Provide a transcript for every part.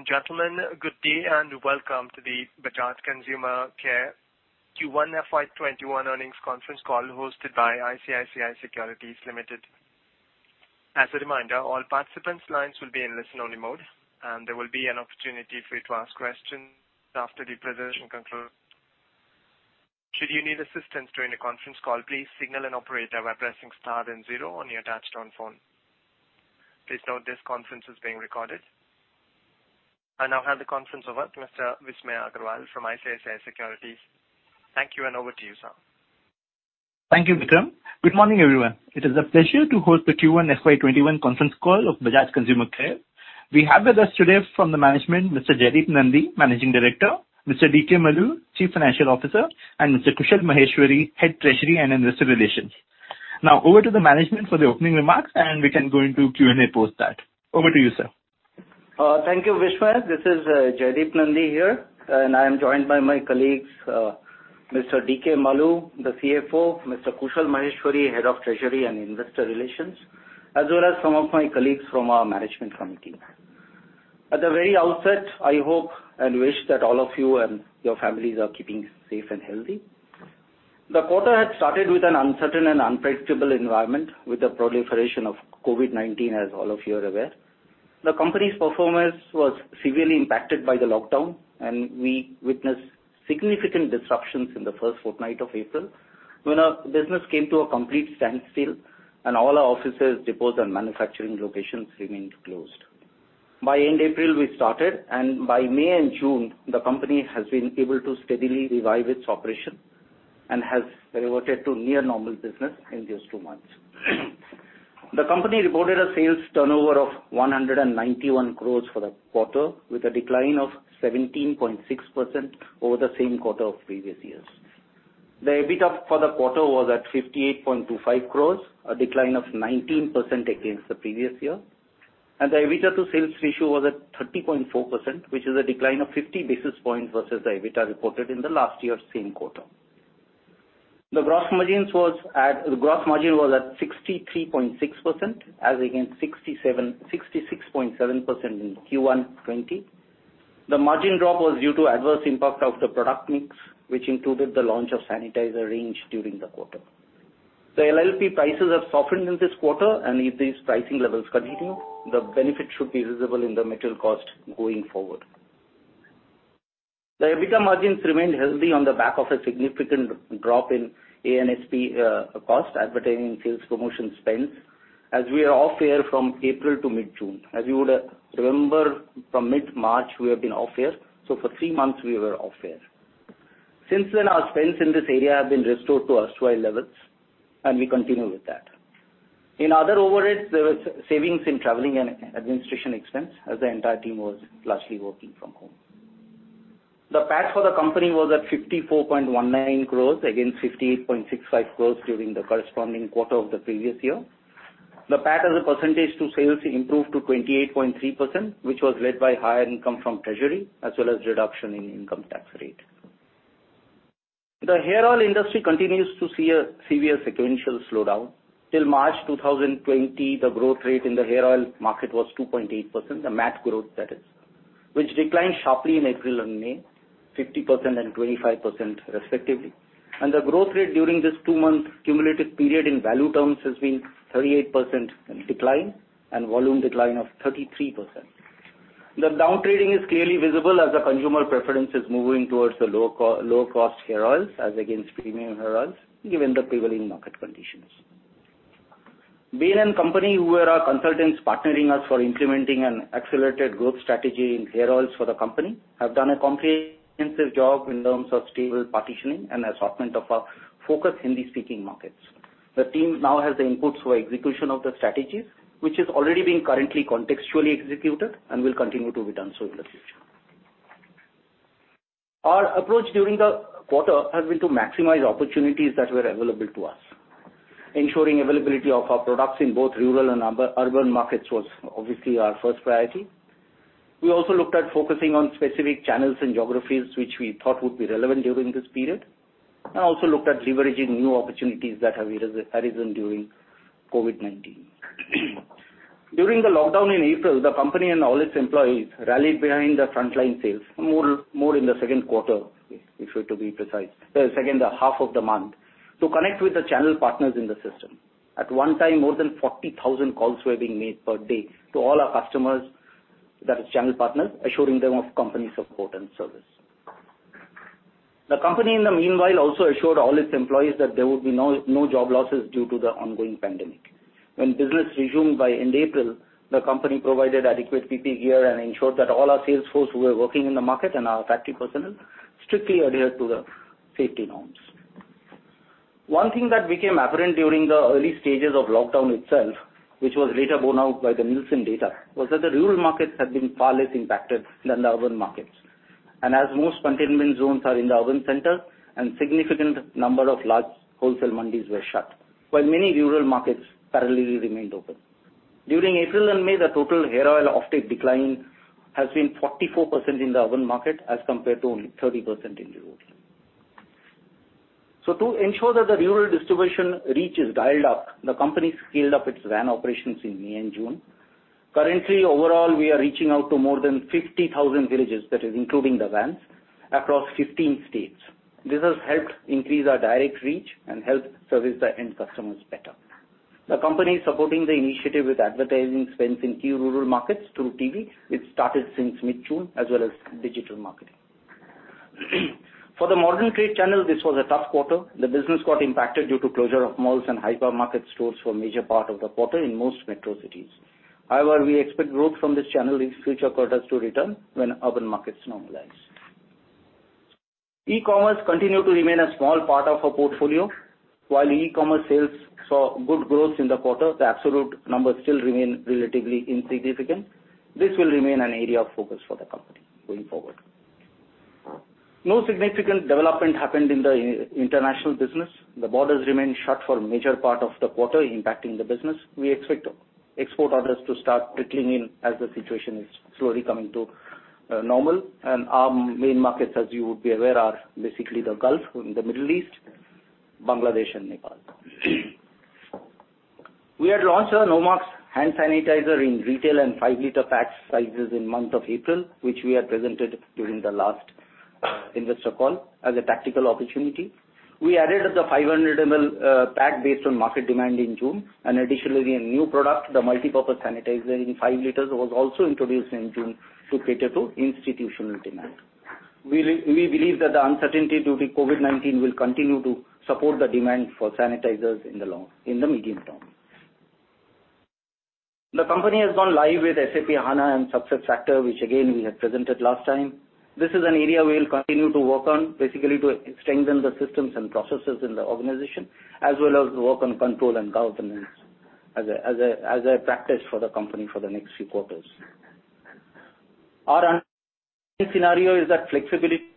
Ladies and gentlemen, good day and welcome to the Bajaj Consumer Care Q1 FY 2021 earnings conference call hosted by ICICI Securities Limited. As a reminder, all participants' lines will be in listen-only mode, and there will be an opportunity for you to ask questions after the presentation concludes. Should you need assistance during the conference call, please signal an operator by pressing star then zero on your touchtone phone. Please note this conference is being recorded. I now hand the conference over to Mr. Vismaya Agarwal from ICICI Securities. Thank you, and over to you, sir. Thank you, Vikram. Good morning, everyone. It is a pleasure to host the Q1 FY 2021 conference call of Bajaj Consumer Care. We have with us today from the management, Mr. Jaideep Nandi, Managing Director; Mr. D.K. Maloo, Chief Financial Officer; and Mr. Kushal Maheshwari, Head Treasury and Investor Relations. Now over to the management for the opening remarks, and we can go into Q&A post that. Over to you, sir. Thank you, Vismaya. This is Jaideep Nandi here, and I am joined by my colleagues, Mr. D. K. Maloo, the CFO, Mr. Kushal Maheshwari, Head of Treasury and Investor Relations, as well as some of my colleagues from our management committee. At the very outset, I hope and wish that all of you and your families are keeping safe and healthy. The quarter had started with an uncertain and unpredictable environment with the proliferation of COVID-19, as all of you are aware. The company's performance was severely impacted by the lockdown, and we witnessed significant disruptions in the first fortnight of April when our business came to a complete standstill and all our offices, depots, and manufacturing locations remained closed. By end April, we started, and by May and June, the company has been able to steadily revive its operation and has reverted to near normal business in just two months. The company reported a sales turnover of 191 crore for the quarter, with a decline of 17.6% over the same quarter of the previous year. The EBITDA for the quarter was at 58.25 crore, a decline of 19% against the previous year. The EBITDA to sales ratio was at 30.4%, which is a decline of 50 basis points versus the EBITDA reported in the last year's same quarter. The gross margin was at 63.6%, as against 66.7% in Q1 '20. The margin drop was due to adverse impact of the product mix, which included the launch of sanitizer range during the quarter. The LUPs prices have softened in this quarter. If these pricing levels continue, the benefit should be visible in the material cost going forward. The EBITDA margins remained healthy on the back of a significant drop in A&P cost, advertising sales promotion spends, as we are off air from April to mid-June. As you would remember, from mid-March, we have been off-air, so for three months we were off-air. Since then, our spends in this area have been restored to erstwhile levels, and we continue with that. In other overheads, there was savings in traveling and administration expense as the entire team was largely working from home. The PAT for the company was at 54.19 crores against 58.65 crores during the corresponding quarter of the previous year. The PAT as a percentage to sales improved to 28.3%, which was led by higher income from treasury, as well as reduction in income tax rate. The hair oil industry continues to see a severe sequential slowdown. Till March 2020, the growth rate in the hair oil market was 2.8%, the MAT growth that is, which declined sharply in April and May, 50% and 25% respectively, and the growth rate during this two-month cumulative period in value terms has been 38% decline and volume decline of 33%. The downtrading is clearly visible as the consumer preference is moving towards the low-cost hair oils as against premium hair oils, given the prevailing market conditions. Bain & Company, who were our consultants partnering us for implementing an accelerated growth strategy in hair oils for the company, have done a comprehensive job in terms of stable partitioning and assortment of our focus Hindi-speaking markets. The team now has the inputs for execution of the strategies, which is already being currently contextually executed and will continue to be done so in the future. Our approach during the quarter has been to maximize opportunities that were available to us. Ensuring availability of our products in both rural and urban markets was obviously our first priority. We also looked at focusing on specific channels and geographies which we thought would be relevant during this period, and also looked at leveraging new opportunities that have arisen during COVID-19. During the lockdown in April, the company and all its employees rallied behind the frontline sales, more in the second quarter if we're to be precise. The second half of the month. To connect with the channel partners in the system. At one time, more than 40,000 calls were being made per day to all our customers, that is channel partners, assuring them of company support and service. The company, in the meanwhile, also assured all its employees that there would be no job losses due to the ongoing pandemic. When business resumed by end April, the company provided adequate PPE gear and ensured that all our sales force who were working in the market and our factory personnel strictly adhered to the safety norms. One thing that became apparent during the early stages of lockdown itself, which was later borne out by the Nielsen data, was that the rural markets had been far less impacted than the urban markets. As most containment zones are in the urban center and significant number of large wholesale mandis were shut, while many rural markets parallelly remained open. During April and May, the total hair oil offtake decline has been 44% in the urban market as compared to only 30% in rural. To ensure that the rural distribution reach is dialed up, the company scaled up its van operations in May and June. Currently, overall, we are reaching out to more than 50,000 villages, that is including the vans, across 15 states. This has helped increase our direct reach and helped service the end customers better. The company is supporting the initiative with advertising spends in key rural markets through TV, which started since mid-June, as well as digital marketing. For the modern trade channel, this was a tough quarter. The business got impacted due to closure of malls and hypermarket stores for a major part of the quarter in most metro cities. However, we expect growth from this channel in future quarters to return when urban markets normalize. E-commerce continued to remain a small part of our portfolio. While e-commerce sales saw good growth in the quarter, the absolute numbers still remain relatively insignificant. This will remain an area of focus for the company going forward. No significant development happened in the international business. The borders remained shut for a major part of the quarter, impacting the business. We expect export orders to start trickling in as the situation is slowly coming to normal. Our main markets, as you would be aware, are basically the Gulf in the Middle East, Bangladesh, and Nepal. We had launched our Nomarks hand sanitizer in retail and five-liter pack sizes in the month of April, which we had presented during the last investor call as a tactical opportunity. We added the 500 ml pack based on market demand in June, and additionally, a new product, the multipurpose sanitizer in 5 liters, was also introduced in June to cater to institutional demand. We believe that the uncertainty due to COVID-19 will continue to support the demand for sanitizers in the medium term. The company has gone live with SAP HANA and SuccessFactors, which again, we had presented last time. This is an area we'll continue to work on, basically to strengthen the systems and processes in the organization, as well as work on control and governance as a practice for the company for the next few quarters. Our scenario is that flexibility,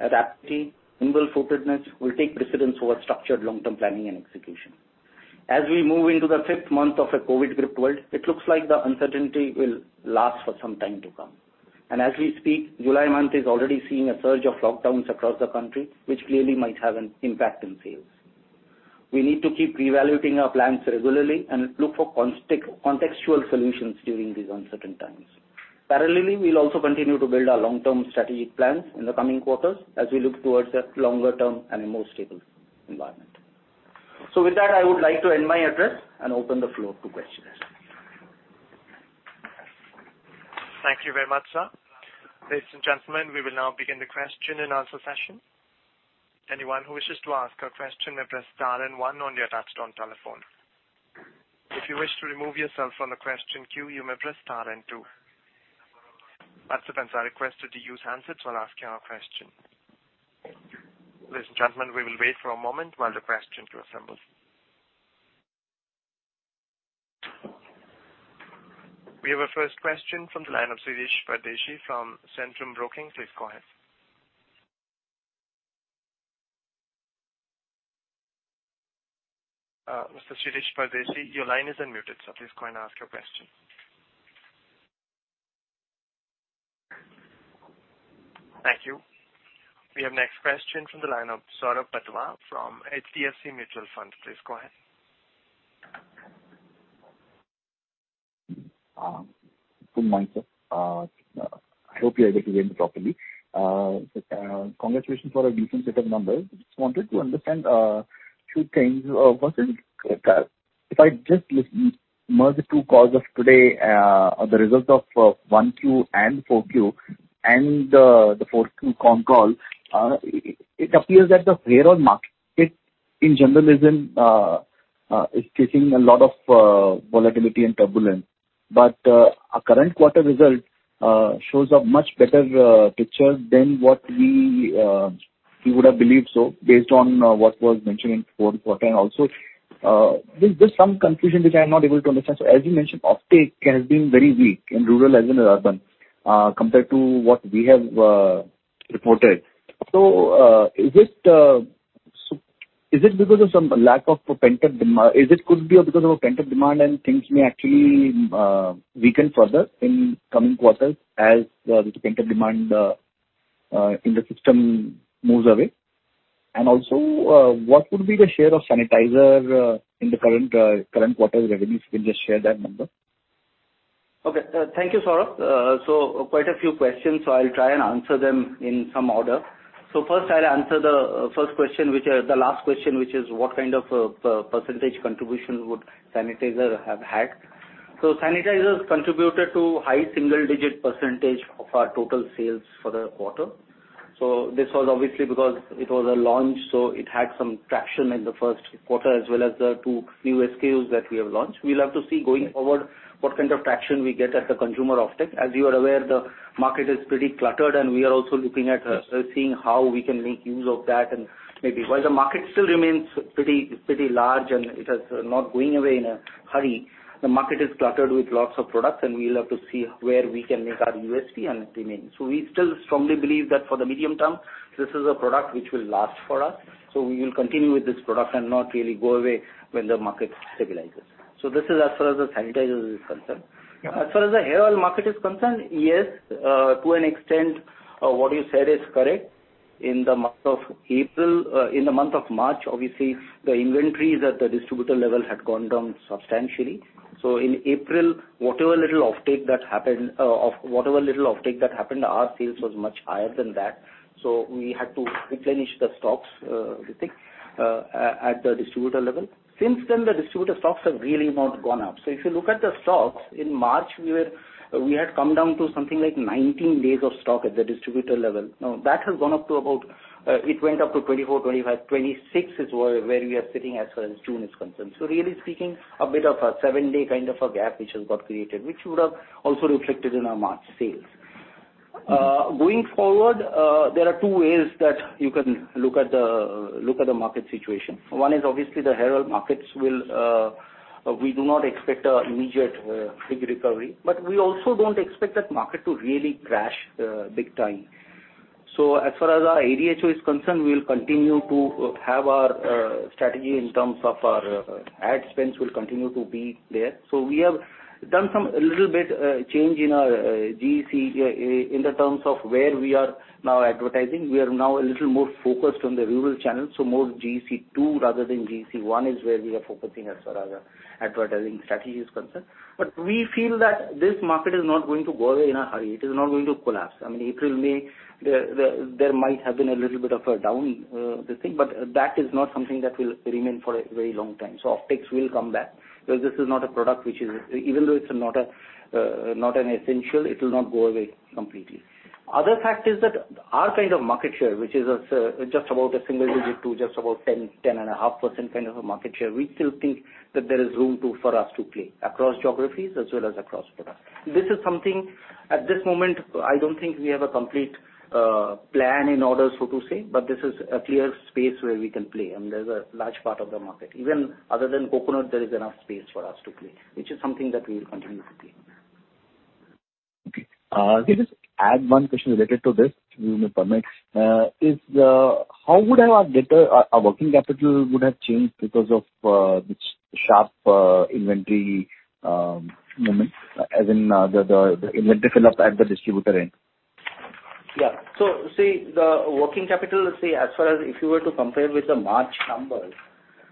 adaptability, nimble-footedness will take precedence over structured long-term planning and execution. As we move into the fifth month of a COVID-gripped world, it looks like the uncertainty will last for some time to come. As we speak, July month is already seeing a surge of lockdowns across the country, which clearly might have an impact on sales. We need to keep reevaluating our plans regularly and look for contextual solutions during these uncertain times. Parallelly, we'll also continue to build our long-term strategic plans in the coming quarters as we look towards a longer-term and a more stable environment. With that, I would like to end my address and open the floor to questions. Thank you very much, sir. Ladies and gentlemen, we will now begin the question and answer session. Anyone who wishes to ask a question may press star and 1 on your touchtone telephone. If you wish to remove yourself from the question queue, you may press star and 2. Participants are requested to use handsets while asking a question. Ladies and gentlemen, we will wait for a moment while the question queue assembles. We have our first question from the line of Shirish Pardeshi from Centrum Broking. Please go ahead. Mr. Shirish Pardeshi, your line is unmuted. Please go and ask your question. Thank you. We have next question from the line of Saurabh Patwa from HDFC Mutual Fund. Please go ahead. Good morning, sir. I hope you are able to hear me properly. Congratulations for a decent set of numbers. Just wanted to understand two things. If I just merge the two calls of today, the results of 1Q and 4Q and the 4Q con call, it appears that the hair oil market in general is facing a lot of volatility and turbulence. Our current quarter result shows a much better picture than what we would have believed so based on what was mentioned in the fourth quarter and also, there's some confusion which I'm not able to understand. As you mentioned, offtake has been very weak in rural as well as urban compared to what we have reported. Is it because of some lack of pent-up demand? Is it could be because of a pent-up demand and things may actually weaken further in coming quarters as the pent-up demand in the system moves away? Also, what would be the share of sanitizer in the current quarter's revenue? If you can just share that number? Okay. Thank you, Saurabh. Quite a few questions. I'll try and answer them in some order. First, I'll answer the last question, which is what kind of % contribution would sanitizer have had. Sanitizers contributed to high single-digit % of our total sales for the quarter. This was obviously because it was a launch, so it had some traction in the first quarter, as well as the two new SKUs that we have launched. We'll have to see going forward what kind of traction we get at the consumer offtake. As you are aware, the market is pretty cluttered, and we are also looking at seeing how we can make use of that and maybe while the market still remains pretty large and it is not going away in a hurry, the market is cluttered with lots of products, and we'll have to see where we can make our USP and remain. We still strongly believe that for the medium term, this is a product which will last for us. We will continue with this product and not really go away when the market stabilizes. This is as far as the sanitizer is concerned. Yeah. As far as the hair oil market is concerned, yes, to an extent. What you said is correct. In the month of March, obviously, the inventories at the distributor level had gone down substantially. In April, whatever little offtake that happened, our sales was much higher than that. We had to replenish the stocks, I think, at the distributor level. Since then, the distributor stocks have really not gone up. If you look at the stocks, in March, we had come down to something like 19 days of stock at the distributor level. Now, that has gone up to about 24, 25. 26 is where we are sitting as far as June is concerned. Really speaking, a bit of a seven-day kind of a gap which has got created, which would have also reflected in our March sales. Going forward, there are two ways that you can look at the market situation. One is obviously the hair oil markets. We do not expect a immediate big recovery, but we also don't expect that market to really crash big time. As far as our ADHO is concerned, we will continue to have our strategy in terms of our ad spends will continue to be there. We have done a little bit change in our GEC in the terms of where we are now advertising. We are now a little more focused on the rural channels, so more GEC2 rather than GEC1 is where we are focusing as far as our advertising strategy is concerned. We feel that this market is not going to go away in a hurry. It is not going to collapse. I mean, April, May, there might have been a little bit of a down this thing, but that is not something that will remain for a very long time. Offtakes will come back. This is not a product which is Even though it's not an essential, it will not go away completely. Other factors that our kind of market share, which is just about a single digit to just about 10.5% kind of a market share, we still think that there is room for us to play across geographies as well as across products. This is something, at this moment, I don't think we have a complete plan in order, so to say, but this is a clear space where we can play, and there is a large part of the market. Even other than coconut, there is enough space for us to play, which is something that we will continue to play on. Okay. Can I just add one question related to this, if you will permit? How would our working capital would have changed because of this sharp inventory movement, as in the inventory fill up at the distributor end? Yeah. The working capital, say, as far as if you were to compare with the March numbers.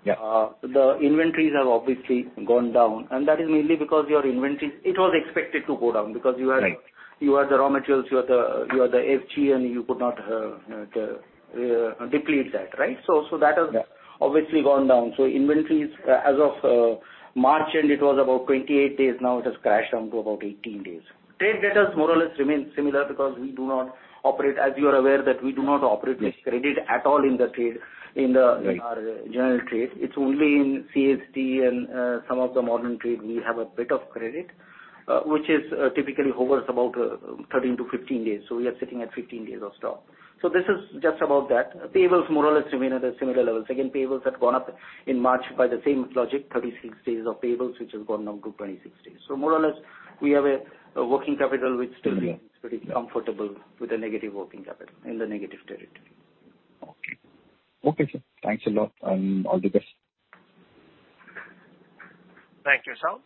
Yeah The inventories have obviously gone down, and that is mainly because your inventories, it was expected to go down. Right. You had the raw materials, you had the FG, and you could not deplete that, right? Yeah. That has obviously gone down. Inventories, as of March end, it was about 28 days. Now it has crashed down to about 18 days. Trade debtors more or less remain similar because, as you are aware, that we do not operate with credit at all in our general trade. It's only in CSD and some of the modern trade we have a bit of credit, which is typically hovers about 13-15 days. We are sitting at 15 days of stock. This is just about that. Payables more or less remain at a similar level. Again, payables had gone up in March by the same logic, 36 days of payables, which has gone down to 26 days. More or less, we have a working capital which still remains pretty comfortable with a negative working capital, in the negative territory. Okay. Okay, sir. Thanks a lot. All the best. Thank you, Sau.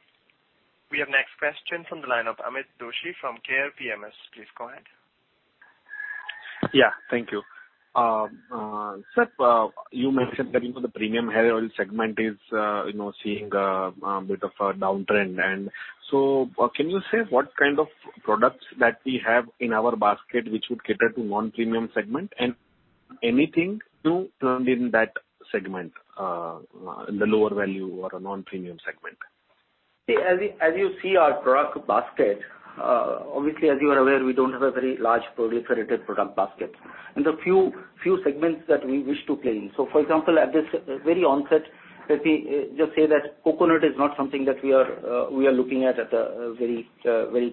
We have next question from the line of Amit Doshi from Care PMS. Please go ahead. Yeah. Thank you. Sir, you mentioned that the premium hair oil segment is seeing a bit of a downtrend. Can you say what kind of products that we have in our basket which would cater to non-premium segment, and anything new planned in that segment, in the lower value or a non-premium segment? As you see our product basket, obviously, as you are aware, we don't have a very large proliferated product basket. A few segments that we wish to play in. For example, at this very onset, let me just say that coconut is not something that we are looking at the very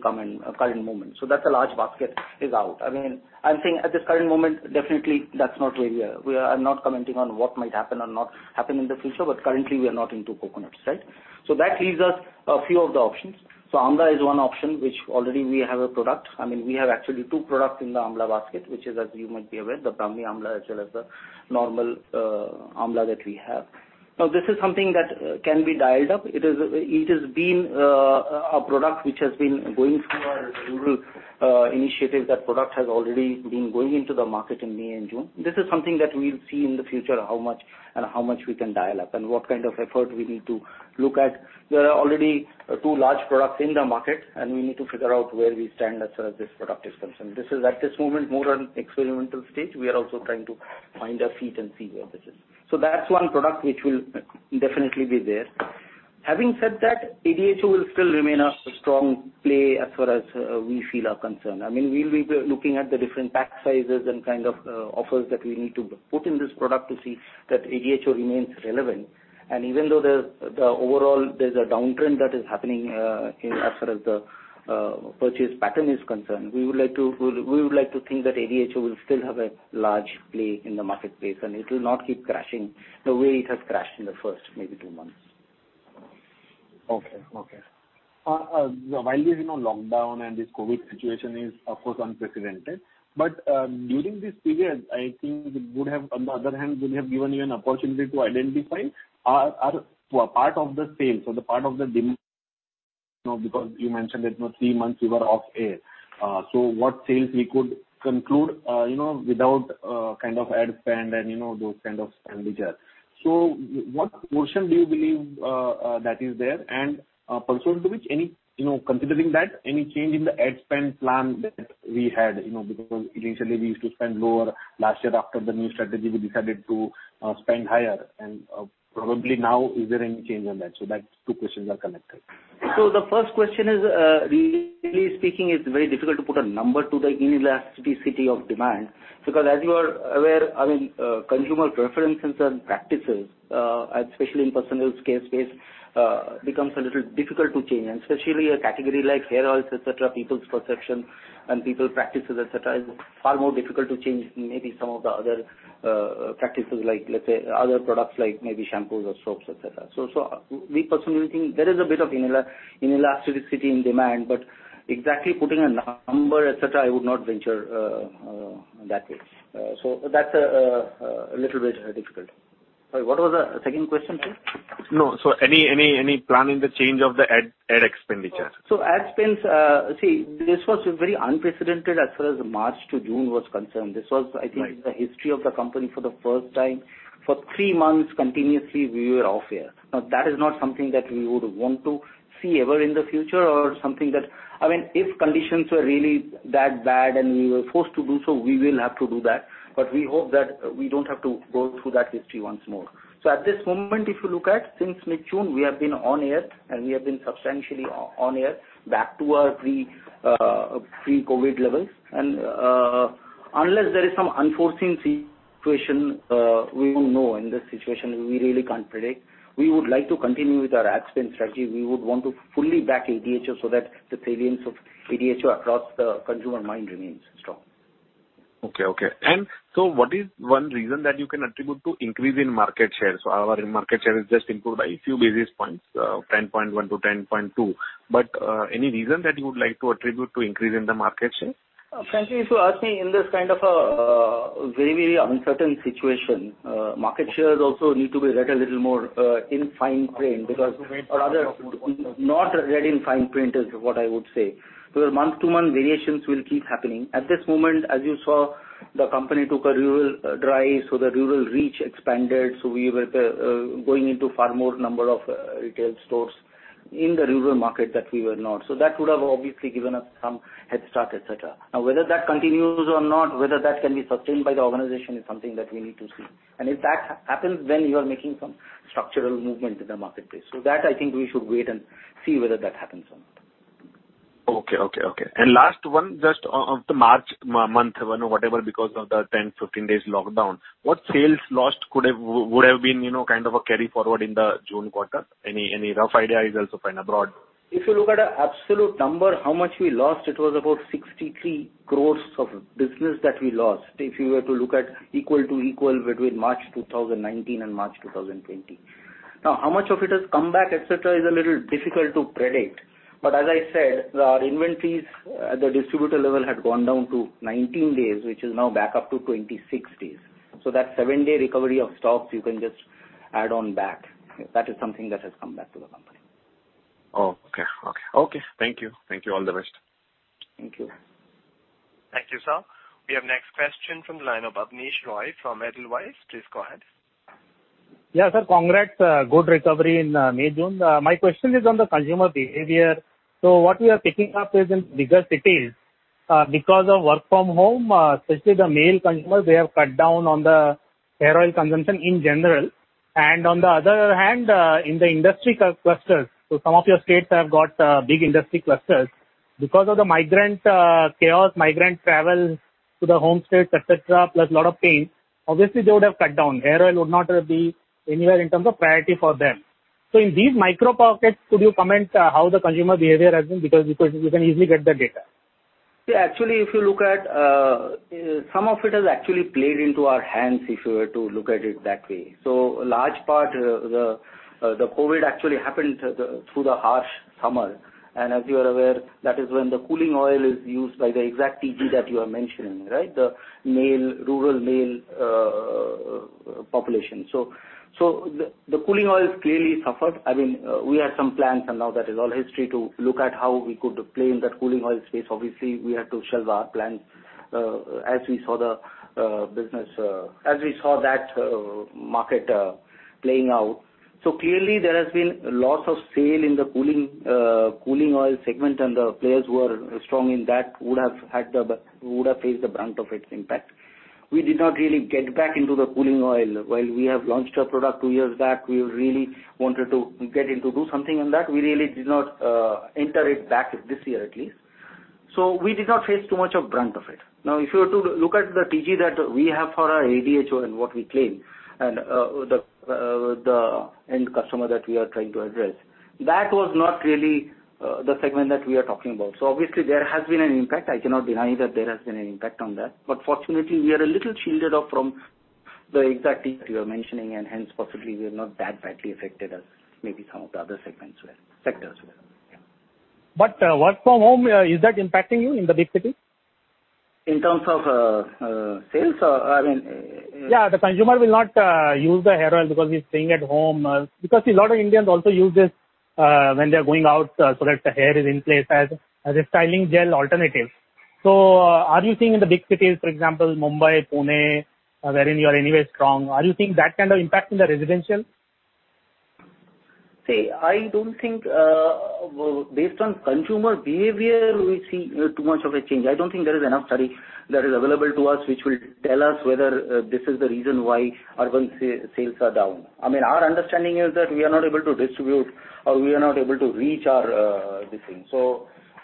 current moment. That's a large basket, is out. I'm saying at this current moment, definitely that's not where we are. I'm not commenting on what might happen or not happen in the future, but currently we are not into coconuts, right? That leaves us a few of the options. Amla is one option, which already we have a product. We have actually two products in the Amla basket, which is, as you might be aware, the Brahmi Amla as well as the normal Amla that we have. This is something that can be dialed up. It has been a product which has been going through our rural initiatives. That product has already been going into the market in May and June. This is something that we'll see in the future, how much we can dial up and what kind of effort we need to look at. There are already two large products in the market, and we need to figure out where we stand as far as this product is concerned. This is at this moment, more on experimental stage. We are also trying to find our feet and see where this is. That's one product which will definitely be there. Having said that, ADHO will still remain a strong play as far as we feel are concerned. We'll be looking at the different pack sizes and kind of offers that we need to put in this product to see that ADHO remains relevant. Even though there's a downtrend that is happening as far as the purchase pattern is concerned, we would like to think that ADHO will still have a large play in the marketplace, and it will not keep crashing the way it has crashed in the first maybe two months. Okay. While this lockdown and this COVID situation is, of course, unprecedented, during this period, I think it, on the other hand, would have given you an opportunity to identify a part of the sales or the part of the demand. Now, because you mentioned that three months you were off air. What sales we could conclude without kind of ad spend and those kind of expenditure. What portion do you believe that is there? Pursuant to which, considering that, any change in the ad spend plan that we had, because initially we used to spend lower. Last year after the new strategy, we decided to spend higher. Probably now, is there any change on that? That's two questions are connected. The first question is, really speaking, it's very difficult to put a number to the elasticity of demand, because as you are aware, consumer preferences and practices, especially in personal care space, becomes a little difficult to change, and especially a category like hair oils, et cetera, people's perception and people practices, et cetera, is far more difficult to change maybe some of the other practices like, let's say, other products like maybe shampoos or soaps, et cetera. We personally think there is a bit of elasticity in demand, but exactly putting a number, et cetera, I would not venture that way. That's a little bit difficult. Sorry, what was the second question, sir? No. Any plan in the change of the ad expenditure? Ad spends, see, this was very unprecedented as far as March to June was concerned. This was, I think, in the history of the company for the first time, for 3 months continuously we were off air. That is not something that we would want to see ever in the future or if conditions were really that bad and we were forced to do so, we will have to do that. We hope that we don't have to go through that history once more. At this moment, if you look at, since mid-June, we have been on air, and we have been substantially on air, back to our pre-COVID levels. Unless there is some unforeseen situation, we don't know. In this situation, we really can't predict. We would like to continue with our ad spend strategy. We would want to fully back ADHO so that the salience of ADHO across the consumer mind remains strong. Okay. What is one reason that you can attribute to increase in market share? Our market share has just improved by a few basis points, 10.1 to 10.2. Any reason that you would like to attribute to increase in the market share? Frankly, if you ask me, in this kind of a very uncertain situation, market shares also need to be read a little more in fine print because, or rather, not read in fine print is what I would say. The month-to-month variations will keep happening. At this moment, as you saw, the company took a rural drive, so the rural reach expanded. We were going into far more number of retail stores in the rural market that we were not. That would have obviously given us some head start, et cetera. Whether that continues or not, whether that can be sustained by the organization is something that we need to see. If that happens, you are making some structural movement in the marketplace. That, I think we should wait and see whether that happens or not. Okay. Last one, just of the March month, or whatever, because of the 10, 15 days lockdown, what sales lost would have been kind of a carry-forward in the June quarter? Any rough idea is also fine, a broad. If you look at a absolute number, how much we lost, it was about 63 crores of business that we lost, if you were to look at equal to equal between March 2019 and March 2020. Now, how much of it has come back, et cetera, is a little difficult to predict. As I said, our inventories at the distributor level had gone down to 19 days, which is now back up to 26 days. That seven-day recovery of stocks, you can just add on back. That is something that has come back to the company. Okay. Thank you. All the best. Thank you. Thank you, sir. We have next question from the line of Abneesh Roy from Edelweiss. Please go ahead. Yeah, sir. Congrats, good recovery in May, June. My question is on the consumer behavior. What we are picking up is in bigger cities, because of work from home, especially the male consumers, they have cut down on the hair oil consumption in general. On the other hand, in the industry clusters, some of your states have got big industry clusters. Because of the migrant chaos, migrant travel to the home states, et cetera, plus lot of pain, obviously they would have cut down. Hair oil would not be anywhere in terms of priority for them. In these micro pockets, could you comment how the consumer behavior has been? Because you can easily get the data. Actually, some of it has actually played into our hands if you were to look at it that way. A large part, the COVID actually happened through the harsh summer. As you are aware, that is when the cooling oil is used by the exact TG that you are mentioning. The rural male population. The cooling oils clearly suffered. We had some plans, and now that is all history, to look at how we could play in that cooling oil space. Obviously, we had to shelve our plans as we saw that market playing out. Clearly there has been a loss of sale in the cooling oil segment, and the players who are strong in that would have faced the brunt of its impact. We did not really get back into the cooling oil. While we have launched a product two years back, we really wanted to get in to do something on that. We really did not enter it back this year, at least. We did not face too much of brunt of it. Now, if you were to look at the TG that we have for our ADHO and what we claim, and the end customer that we are trying to address, that was not really the segment that we are talking about. Obviously there has been an impact. I cannot deny that there has been an impact on that. Fortunately, we are a little shielded off from the exact thing that you are mentioning, and hence possibly we are not that badly affected as maybe some of the other sectors were. Yeah. Work from home, is that impacting you in the big city? In terms of sales? I mean. Yeah, the consumer will not use the hair oil because he's staying at home. Because a lot of Indians also use this when they're going out, so that the hair is in place as a styling gel alternative. Are you seeing in the big cities, for example, Mumbai, Pune, wherein you are anyway strong, are you seeing that kind of impact in the residential? I don't think based on consumer behavior, we see too much of a change. I don't think there is enough study that is available to us which will tell us whether this is the reason why urban sales are down. Our understanding is that we are not able to distribute or we are not able to reach our this thing.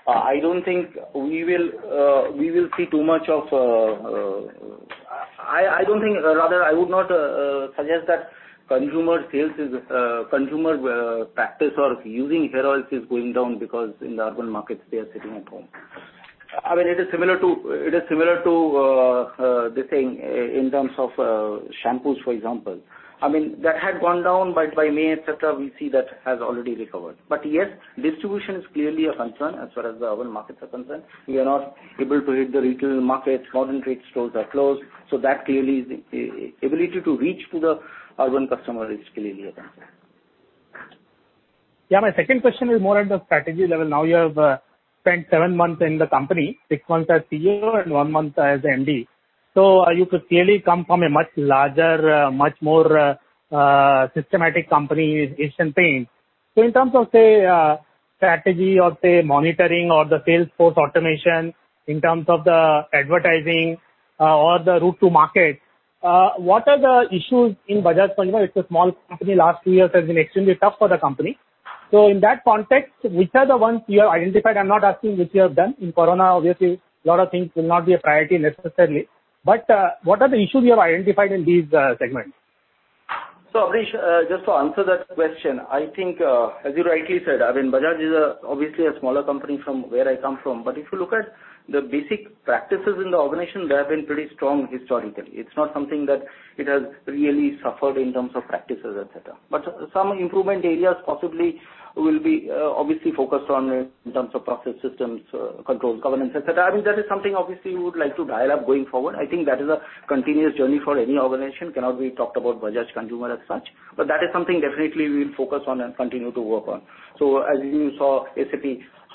Rather, I would not suggest that consumer practice or using hair oils is going down because in the urban markets they are sitting at home. It is similar to this thing in terms of shampoos, for example. By May, et cetera, we see that has already recovered. Yes, distribution is clearly a concern as far as the urban markets are concerned. We are not able to hit the retail markets. Modern trade stores are closed. That clearly is the ability to reach to the urban customer is clearly a concern. Yeah. My second question is more at the strategy level. You have spent 7 months in the company, 6 months as CEO and 1 month as MD. You could clearly come from a much larger, much more systematic company, Asian Paints. In terms of, say, strategy or, say, monitoring or the sales force automation, in terms of the advertising, or the route to market, what are the issues in Bajaj Consumer? It's a small company. Last few years has been extremely tough for the company. In that context, which are the ones you have identified? I am not asking which you have done. In corona, obviously, a lot of things will not be a priority necessarily. What are the issues you have identified in these segments? Abneesh Roy, just to answer that question, I think, as you rightly said, Bajaj is obviously a smaller company from where I come from. If you look at the basic practices in the organization, they have been pretty strong historically. It's not something that it has really suffered in terms of practices, et cetera. Some improvement areas possibly will be obviously focused on in terms of process systems, control, governance, et cetera. That is something obviously we would like to dial up going forward. I think that is a continuous journey for any organization. Cannot be talked about Bajaj Consumer Care as such. That is something definitely we'll focus on and continue to work on. As you saw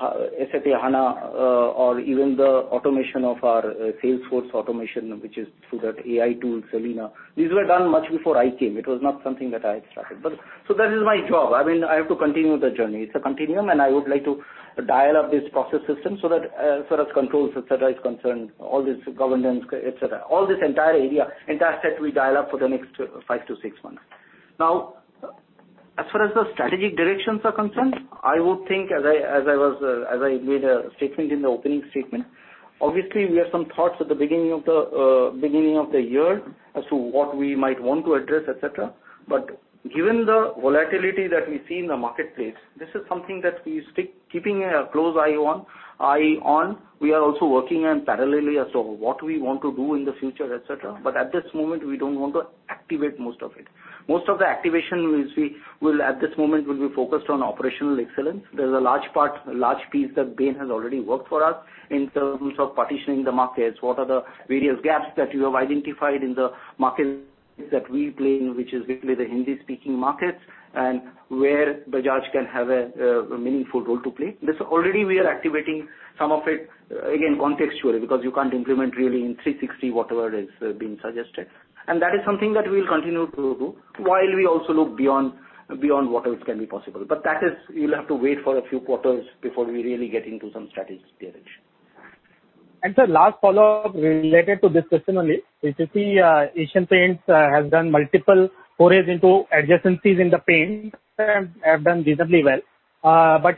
SAP HANA or even the automation of our sales force automation, which is through that AI tool, Selina, these were done much before I came. It was not something that I started. That is my job. I have to continue the journey. It's a continuum, and I would like to dial up this process system so that as far as controls, et cetera, is concerned, all this governance, et cetera. All this entire area, entire set we dial up for the next 5 to 6 months. As far as the strategic directions are concerned, I would think as I made a statement in the opening statement, obviously, we have some thoughts at the beginning of the year as to what we might want to address, et cetera. Given the volatility that we see in the marketplace, this is something that we're keeping a close eye on. We are also working in parallel as to what we want to do in the future, et cetera. At this moment, we don't want to activate most of it. Most of the activation at this moment will be focused on operational excellence. There's a large piece that Bain has already worked for us in terms of partitioning the markets, what are the various gaps that you have identified in the markets that we play in, which is basically the Hindi-speaking markets, and where Bajaj can have a meaningful role to play. This already we are activating some of it, again, contextually, because you can't implement really in 360 whatever is being suggested. That is something that we'll continue to do while we also look beyond what else can be possible. That is, you'll have to wait for a few quarters before we really get into some strategic direction. Sir, last follow-up related to this question only. You see, Asian Paints has done multiple forays into adjacencies in the paint and have done reasonably well.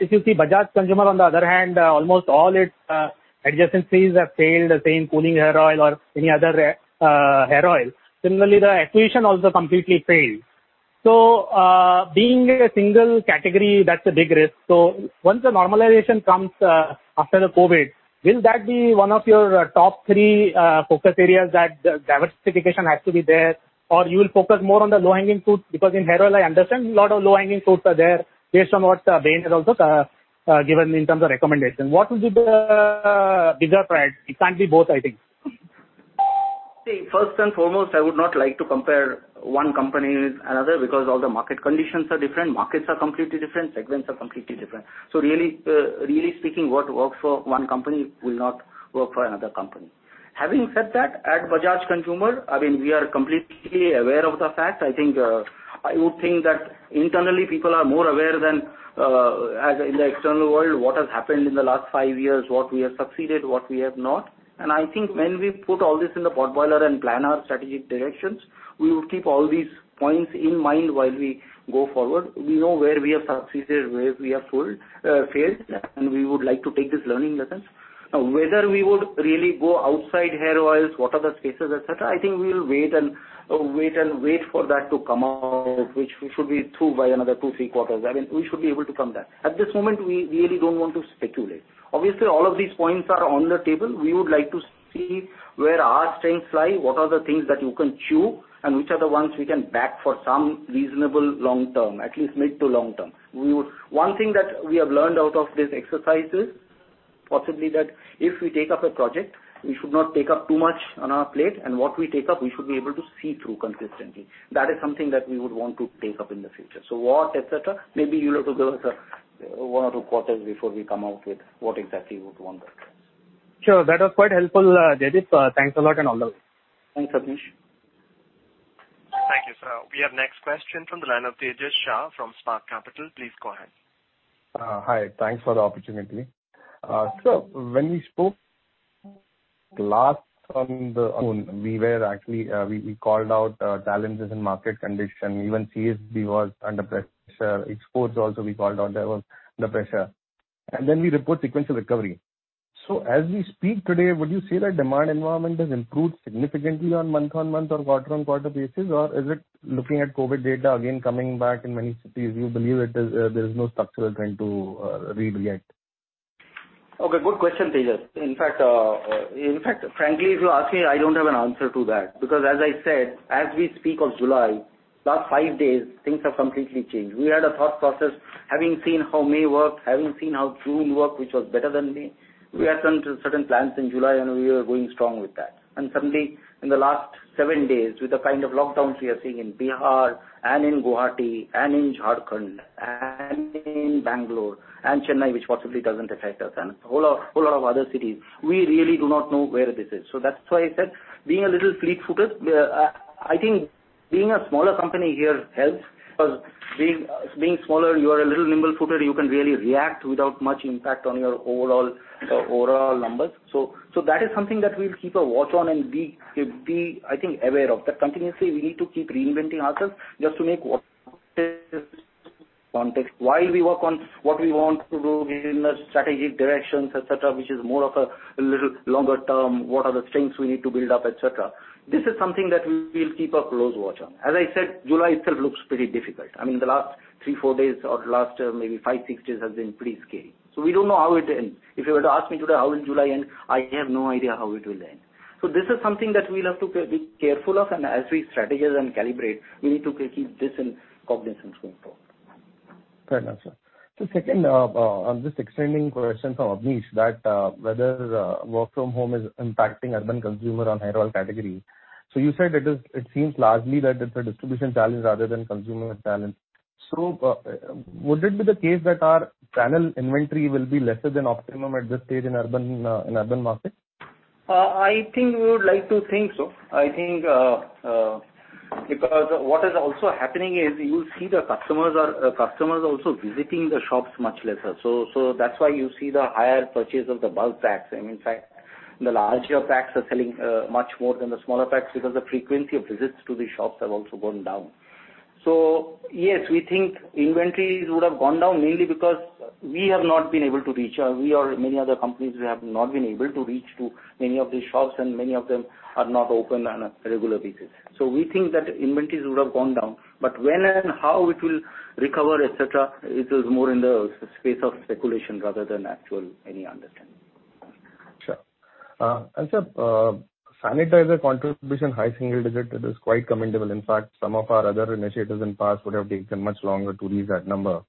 If you see Bajaj Consumer, on the other hand, almost all its adjacencies have failed, say, in cooling hair oil or any other hair oil. Similarly, the acquisition also completely failed. Being a single category, that's a big risk. Once the normalization comes after the COVID-19, will that be one of your top three focus areas that diversification has to be there? You will focus more on the low-hanging fruit? In hair oil, I understand a lot of low-hanging fruits are there based on what Bain has also given in terms of recommendation. What will be the bigger priority? It can't be both, I think. First and foremost, I would not like to compare one company with another because all the market conditions are different, markets are completely different, segments are completely different. Really speaking, what works for one company will not work for another company. Having said that, at Bajaj Consumer, we are completely aware of the fact. I would think that internally people are more aware than in the external world what has happened in the last five years, what we have succeeded, what we have not. I think when we put all this in the potboiler and plan our strategic directions, we will keep all these points in mind while we go forward. We know where we have succeeded, where we have failed, and we would like to take these learning lessons. Whether we would really go outside hair oils, what are the spaces, et cetera, I think we'll wait and wait for that to come out, which should be through by another two, three quarters. We should be able to come back. At this moment, we really don't want to speculate. Obviously, all of these points are on the table. We would like to see where our strengths lie, what are the things that you can chew, and which are the ones we can back for some reasonable long term, at least mid-to-long term. One thing that we have learned out of this exercise is possibly that if we take up a project, we should not take up too much on our plate. What we take up, we should be able to see through consistently. That is something that we would want to take up in the future. What, et cetera, maybe you have to give us one or two quarters before we come out with what exactly we would want there. Sure. That was quite helpful, Jaideep. Thanks a lot and all the best. Thanks, Abneesh. Thank you, sir. We have next question from the line of Tejas Shah from Spark Capital. Please go ahead. Hi. Thanks for the opportunity. Sir, when we spoke last on the phone, we called out challenges in market condition. Even CSD was under pressure. Exports also, we called out there was under pressure. Then we report sequential recovery. As we speak today, would you say that demand environment has improved significantly on month-on-month or quarter-on-quarter basis? Or is it looking at COVID data again coming back in many cities, you believe there is no structural trend to read yet? Okay, good question, Tejas. In fact, frankly, if you ask me, I don't have an answer to that, because as I said, as we speak of July, last five days, things have completely changed. We had a thought process, having seen how May worked, having seen how June worked, which was better than May. We had certain plans in July, and we were going strong with that. Suddenly, in the last seven days, with the kind of lockdowns we are seeing in Bihar and in Guwahati and in Jharkhand and in Bangalore and Chennai, which possibly doesn't affect us, and whole lot of other cities, we really do not know where this is. That's why I said, being a little fleet-footed. I think being a smaller company here helps because being smaller, you are a little nimble-footed. You can really react without much impact on your overall numbers. That is something that we'll keep a watch on and be, I think, aware of. That continuously we need to keep reinventing ourselves just to make context while we work on what we want to do within the strategic directions, et cetera, which is more of a little longer term, what are the strengths we need to build up, et cetera. This is something that we'll keep a close watch on. As I said, July itself looks pretty difficult. I mean, the last three, four days, or last maybe five, six days has been pretty scary. We don't know how it will end. If you were to ask me today how will July end, I have no idea how it will end. This is something that we'll have to be careful of. As we strategize and calibrate, we need to keep this in cognizance going forward. Fair enough, sir. Second, on this extending question from Abneesh that whether work from home is impacting urban consumer on hair oil category. You said it seems largely that it's a distribution challenge rather than consumer challenge. Would it be the case that our channel inventory will be lesser than optimum at this stage in urban market? I think we would like to think so. What is also happening is you see the customers also visiting the shops much lesser. That's why you see the higher purchase of the bulk packs. In fact, the larger packs are selling much more than the smaller packs because the frequency of visits to these shops have also gone down. Yes, we think inventories would have gone down, mainly because we have not been able to reach, or many other companies have not been able to reach to many of these shops, and many of them are not open on a regular basis. We think that inventories would have gone down, but when and how it will recover, et cetera, it is more in the space of speculation rather than actual any understanding. Sure. Sir, sanitizer contribution high single digit, it is quite commendable. In fact, some of our other initiatives in the past would have taken much longer to reach that number.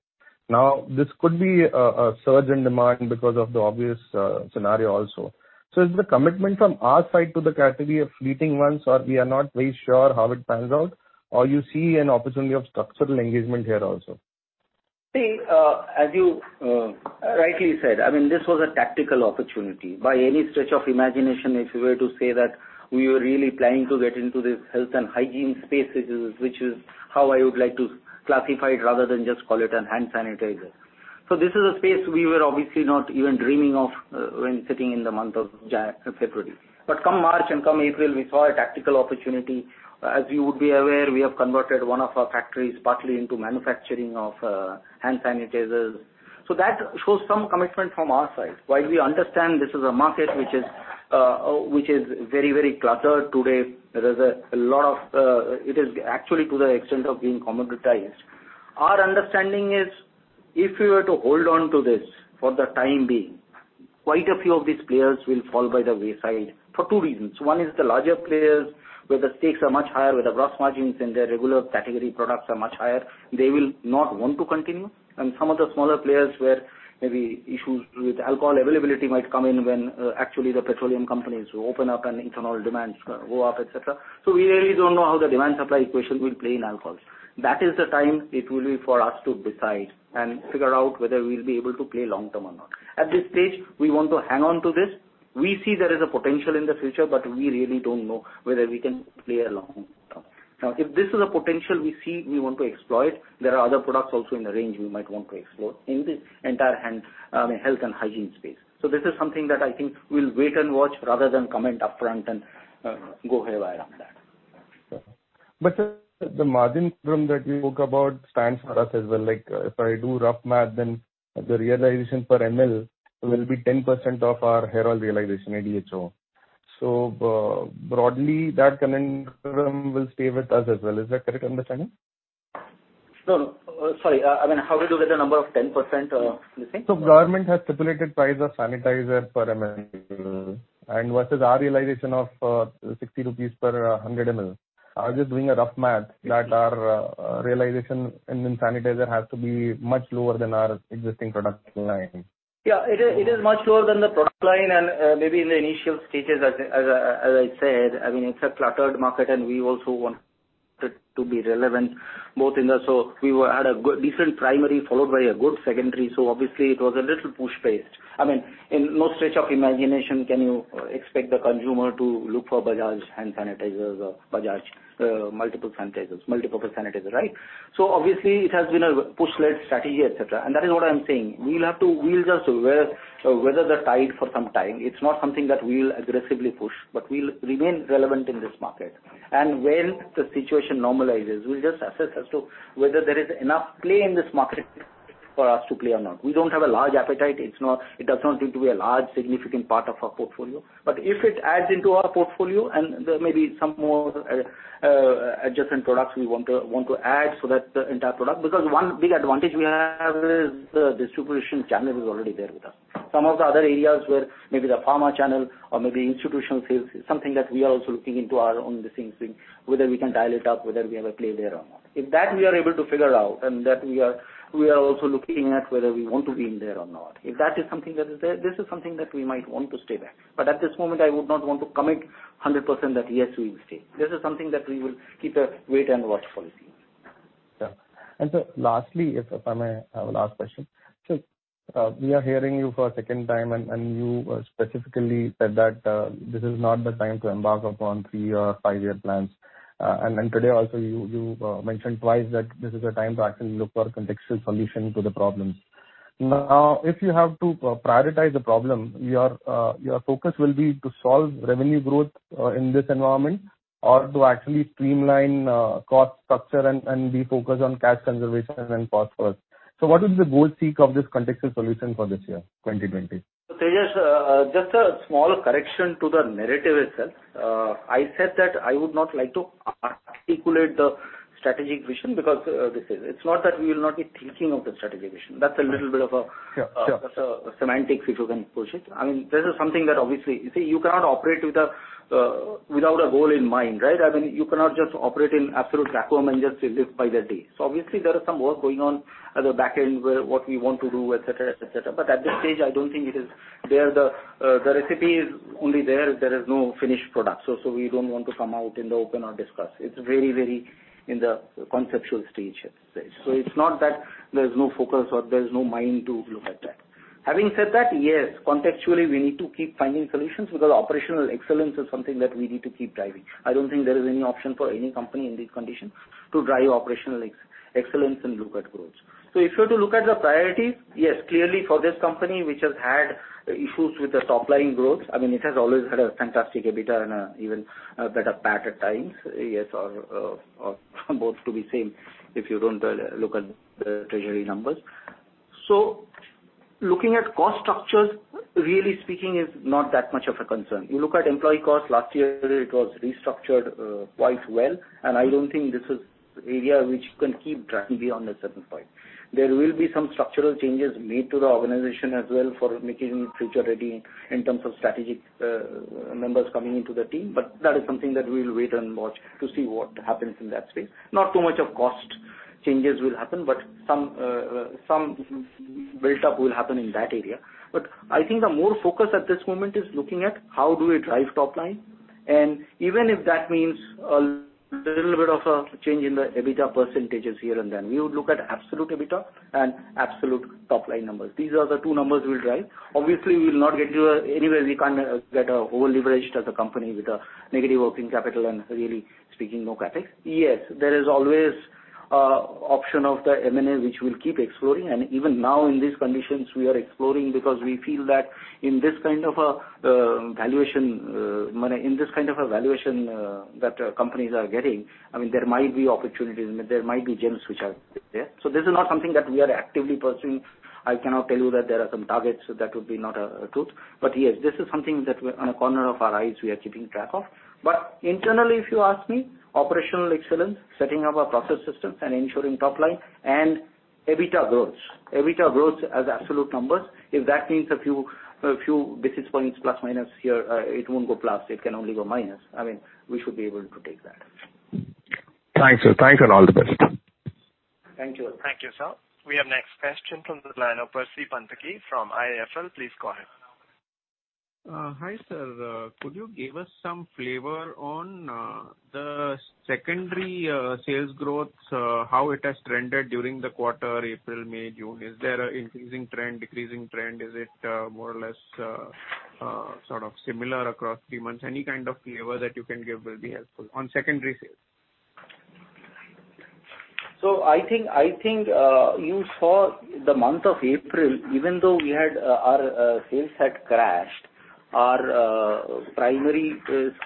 This could be a surge in demand because of the obvious scenario also. Is the commitment from our side to the category a fleeting one, sir? We are not very sure how it pans out. You see an opportunity of structural engagement here also? As you rightly said, this was a tactical opportunity. By any stretch of imagination, if we were to say that we were really planning to get into this health and hygiene space, which is how I would like to classify it rather than just call it a hand sanitizer. This is a space we were obviously not even dreaming of when sitting in the month of February. Come March and come April, we saw a tactical opportunity. As you would be aware, we have converted one of our factories partly into manufacturing of hand sanitizers. That shows some commitment from our side. While we understand this is a market which is very cluttered today. It is actually to the extent of being commoditized. Our understanding is, if we were to hold on to this for the time being, quite a few of these players will fall by the wayside for two reasons. One is the larger players where the stakes are much higher, where the gross margins in their regular category products are much higher. They will not want to continue. Some of the smaller players where maybe issues with alcohol availability might come in when actually the petroleum companies open up and internal demands go up, et cetera. We really don't know how the demand supply equation will play in alcohols. That is the time it will be for us to decide and figure out whether we'll be able to play long term or not. At this stage, we want to hang on to this. We see there is a potential in the future, but we really don't know whether we can play a long term. Now, if this is a potential we see, we want to exploit. There are other products also in the range we might want to explore in this entire health and hygiene space. This is something that I think we'll wait and watch rather than comment upfront and go haywire on that. Sure. Sir, the margin from that you spoke about stands for us as well. If I do rough math, then the realization per ml will be 10% of our hair oil realization ADHO. Broadly, that conundrum will stay with us as well. Is that correct understanding? No. Sorry, how did you get the number of 10%, you think? Government has stipulated price of sanitizer per ml and versus our realization of 60 rupees per 100 ml. I was just doing a rough math that our realization in sanitizer has to be much lower than our existing product line. Yeah, it is much lower than the product line. Maybe in the initial stages, as I said, it's a cluttered market, and we also wanted to be relevant. We had a decent primary followed by a good secondary, so obviously it was a little push-based. In no stretch of imagination can you expect the consumer to look for Bajaj hand sanitizers or Bajaj multiple-purpose sanitizers. Right? Obviously it has been a push-led strategy. That is what I'm saying. We'll just weather the tide for some time. It's not something that we'll aggressively push, but we'll remain relevant in this market. When the situation normalizes, we'll just assess as to whether there is enough play in this market for us to play or not. We don't have a large appetite. It does not need to be a large significant part of our portfolio. If it adds into our portfolio and there may be some more adjacent products we want to add, so that the entire product Because one big advantage we have is the distribution channel is already there with us. Some of the other areas where maybe the pharma channel or maybe institutional sales is something that we are also looking into our own listings, whether we can dial it up, whether we have a play there or not. If that we are able to figure out, and that we are also looking at whether we want to be in there or not. If that is something that is there, this is something that we might want to stay there. At this moment, I would not want to commit 100% that yes, we will stay. This is something that we will keep a wait-and-watch policy. Yeah. Sir, lastly, if I may have a last question. We are hearing you for a second time, and you specifically said that this is not the time to embark upon three or five-year plans. Today also you mentioned twice that this is a time to actually look for contextual solution to the problems. If you have to prioritize the problem, your focus will be to solve revenue growth in this environment or to actually streamline cost structure and be focused on cash conservation and profits. What is the goal seek of this contextual solution for this year, 2020? Tejas, just a small correction to the narrative itself. I said that I would not like to articulate the strategic vision. It's not that we will not be thinking of the strategic vision. Sure semantic, if you can push it. This is something that obviously, you see, you cannot operate without a goal in mind, right? You cannot just operate in absolute vacuum and just live by the day. Obviously there is some work going on at the back end where what we want to do, et cetera. But at this stage, I don't think it is there. The recipe is only there is no finished product. We don't want to come out in the open or discuss. It's very in the conceptual stage at this stage. It's not that there's no focus or there's no mind to look at that. Having said that, yes, contextually, we need to keep finding solutions because operational excellence is something that we need to keep driving. I don't think there is any option for any company in this condition to drive operational excellence and look at growth. If you were to look at the priorities, yes, clearly for this company, which has had issues with the top-line growth, it has always had a fantastic EBITDA and even a better PAT at times. Or both to be same if you don't look at the treasury numbers. Looking at cost structures, really speaking, is not that much of a concern. You look at employee costs, last year it was restructured quite well, and I don't think this is area which can keep driving beyond a certain point. There will be some structural changes made to the organization as well for making it future-ready in terms of strategic members coming into the team. That is something that we'll wait and watch to see what happens in that space. Not too much of cost changes will happen, but some build-up will happen in that area. I think the more focus at this moment is looking at how do we drive top line. Even if that means a little bit of a change in the EBITDA percentages here and there. We would look at absolute EBITDA and absolute top-line numbers. These are the two numbers we'll drive. Obviously, we'll not get to anywhere we can get over-leveraged as a company with a negative working capital and really speaking no CapEx. Yes, there is always option of the M&A which we'll keep exploring, and even now in these conditions we are exploring because we feel that in this kind of a valuation that companies are getting, there might be opportunities, there might be gems which are there. This is not something that we are actively pursuing. I cannot tell you that there are some targets. That would be not truth. Yes, this is something that on a corner of our eyes we are keeping track of. Internally, if you ask me, operational excellence, setting up our process systems and ensuring top line and EBITDA growth. EBITDA growth as absolute numbers. If that means a few basis points plus, minus here, it won't go plus, it can only go minus. We should be able to take that. Thanks, sir. Thanks and all the best. Thank you. Thank you, sir. We have next question from the line of Percy Panthaki from IIFL. Please go ahead. Hi, sir. Could you give us some flavor on the secondary sales growth, how it has trended during the quarter, April, May, June? Is there an increasing trend, decreasing trend? Is it more or less sort of similar across three months? Any kind of flavor that you can give will be helpful on secondary sales. I think you saw the month of April, even though our sales had crashed, our primary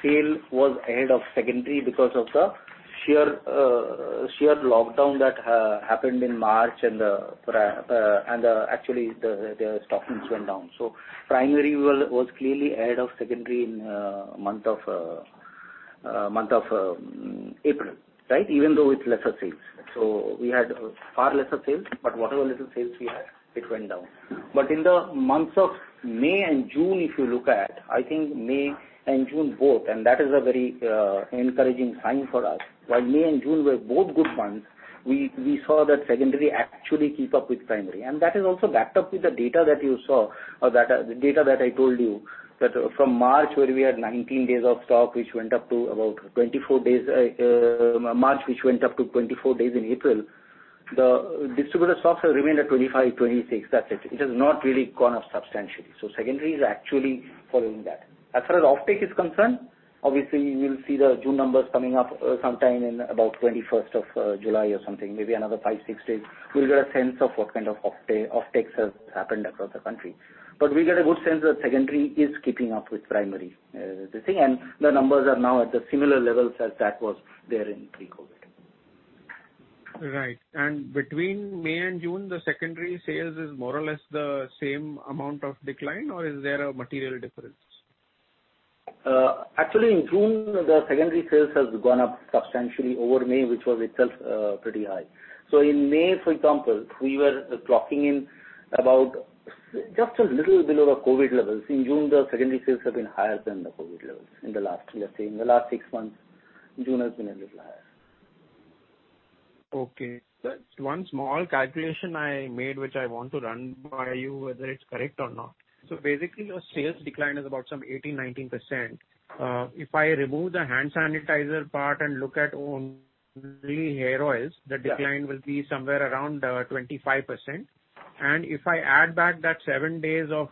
sale was ahead of secondary because of the sheer lockdown that happened in March and actually the stockings went down. Primary was clearly ahead of secondary in month of April. Right? Even though with lesser sales. We had far lesser sales, but whatever little sales we had, it went down. In the months of May and June, if you look at, I think May and June both, that is a very encouraging sign for us. While May and June were both good months. We saw that secondary actually keep up with primary. That is also backed up with the data that you saw, the data that I told you, that from March, where we had 19 days of stock, which went up to about 24 days in April, the distributor stocks have remained at 25, 26. That's it. It has not really gone up substantially. Secondary is actually following that. As far as offtake is concerned, obviously you will see the June numbers coming up sometime in about 21st of July or something, maybe another five, six days. We'll get a sense of what kind of offtakes have happened across the country. We get a good sense that secondary is keeping up with primary. The numbers are now at the similar levels as that was there in pre-COVID. Right. Between May and June, the secondary sales is more or less the same amount of decline, or is there a material difference? Actually, in June, the secondary sales has gone up substantially over May, which was itself pretty high. In May, for example, we were clocking in about just a little below the COVID levels. In June, the secondary sales have been higher than the COVID levels in the last, let's say, in the last six months, June has been a little higher. Okay. One small calculation I made, which I want to run by you, whether it is correct or not. Basically, your sales decline is about some 18%-19%. If I remove the hand sanitizer part and look at only hair oils- Yeah the decline will be somewhere around 25%. If I add back that seven days of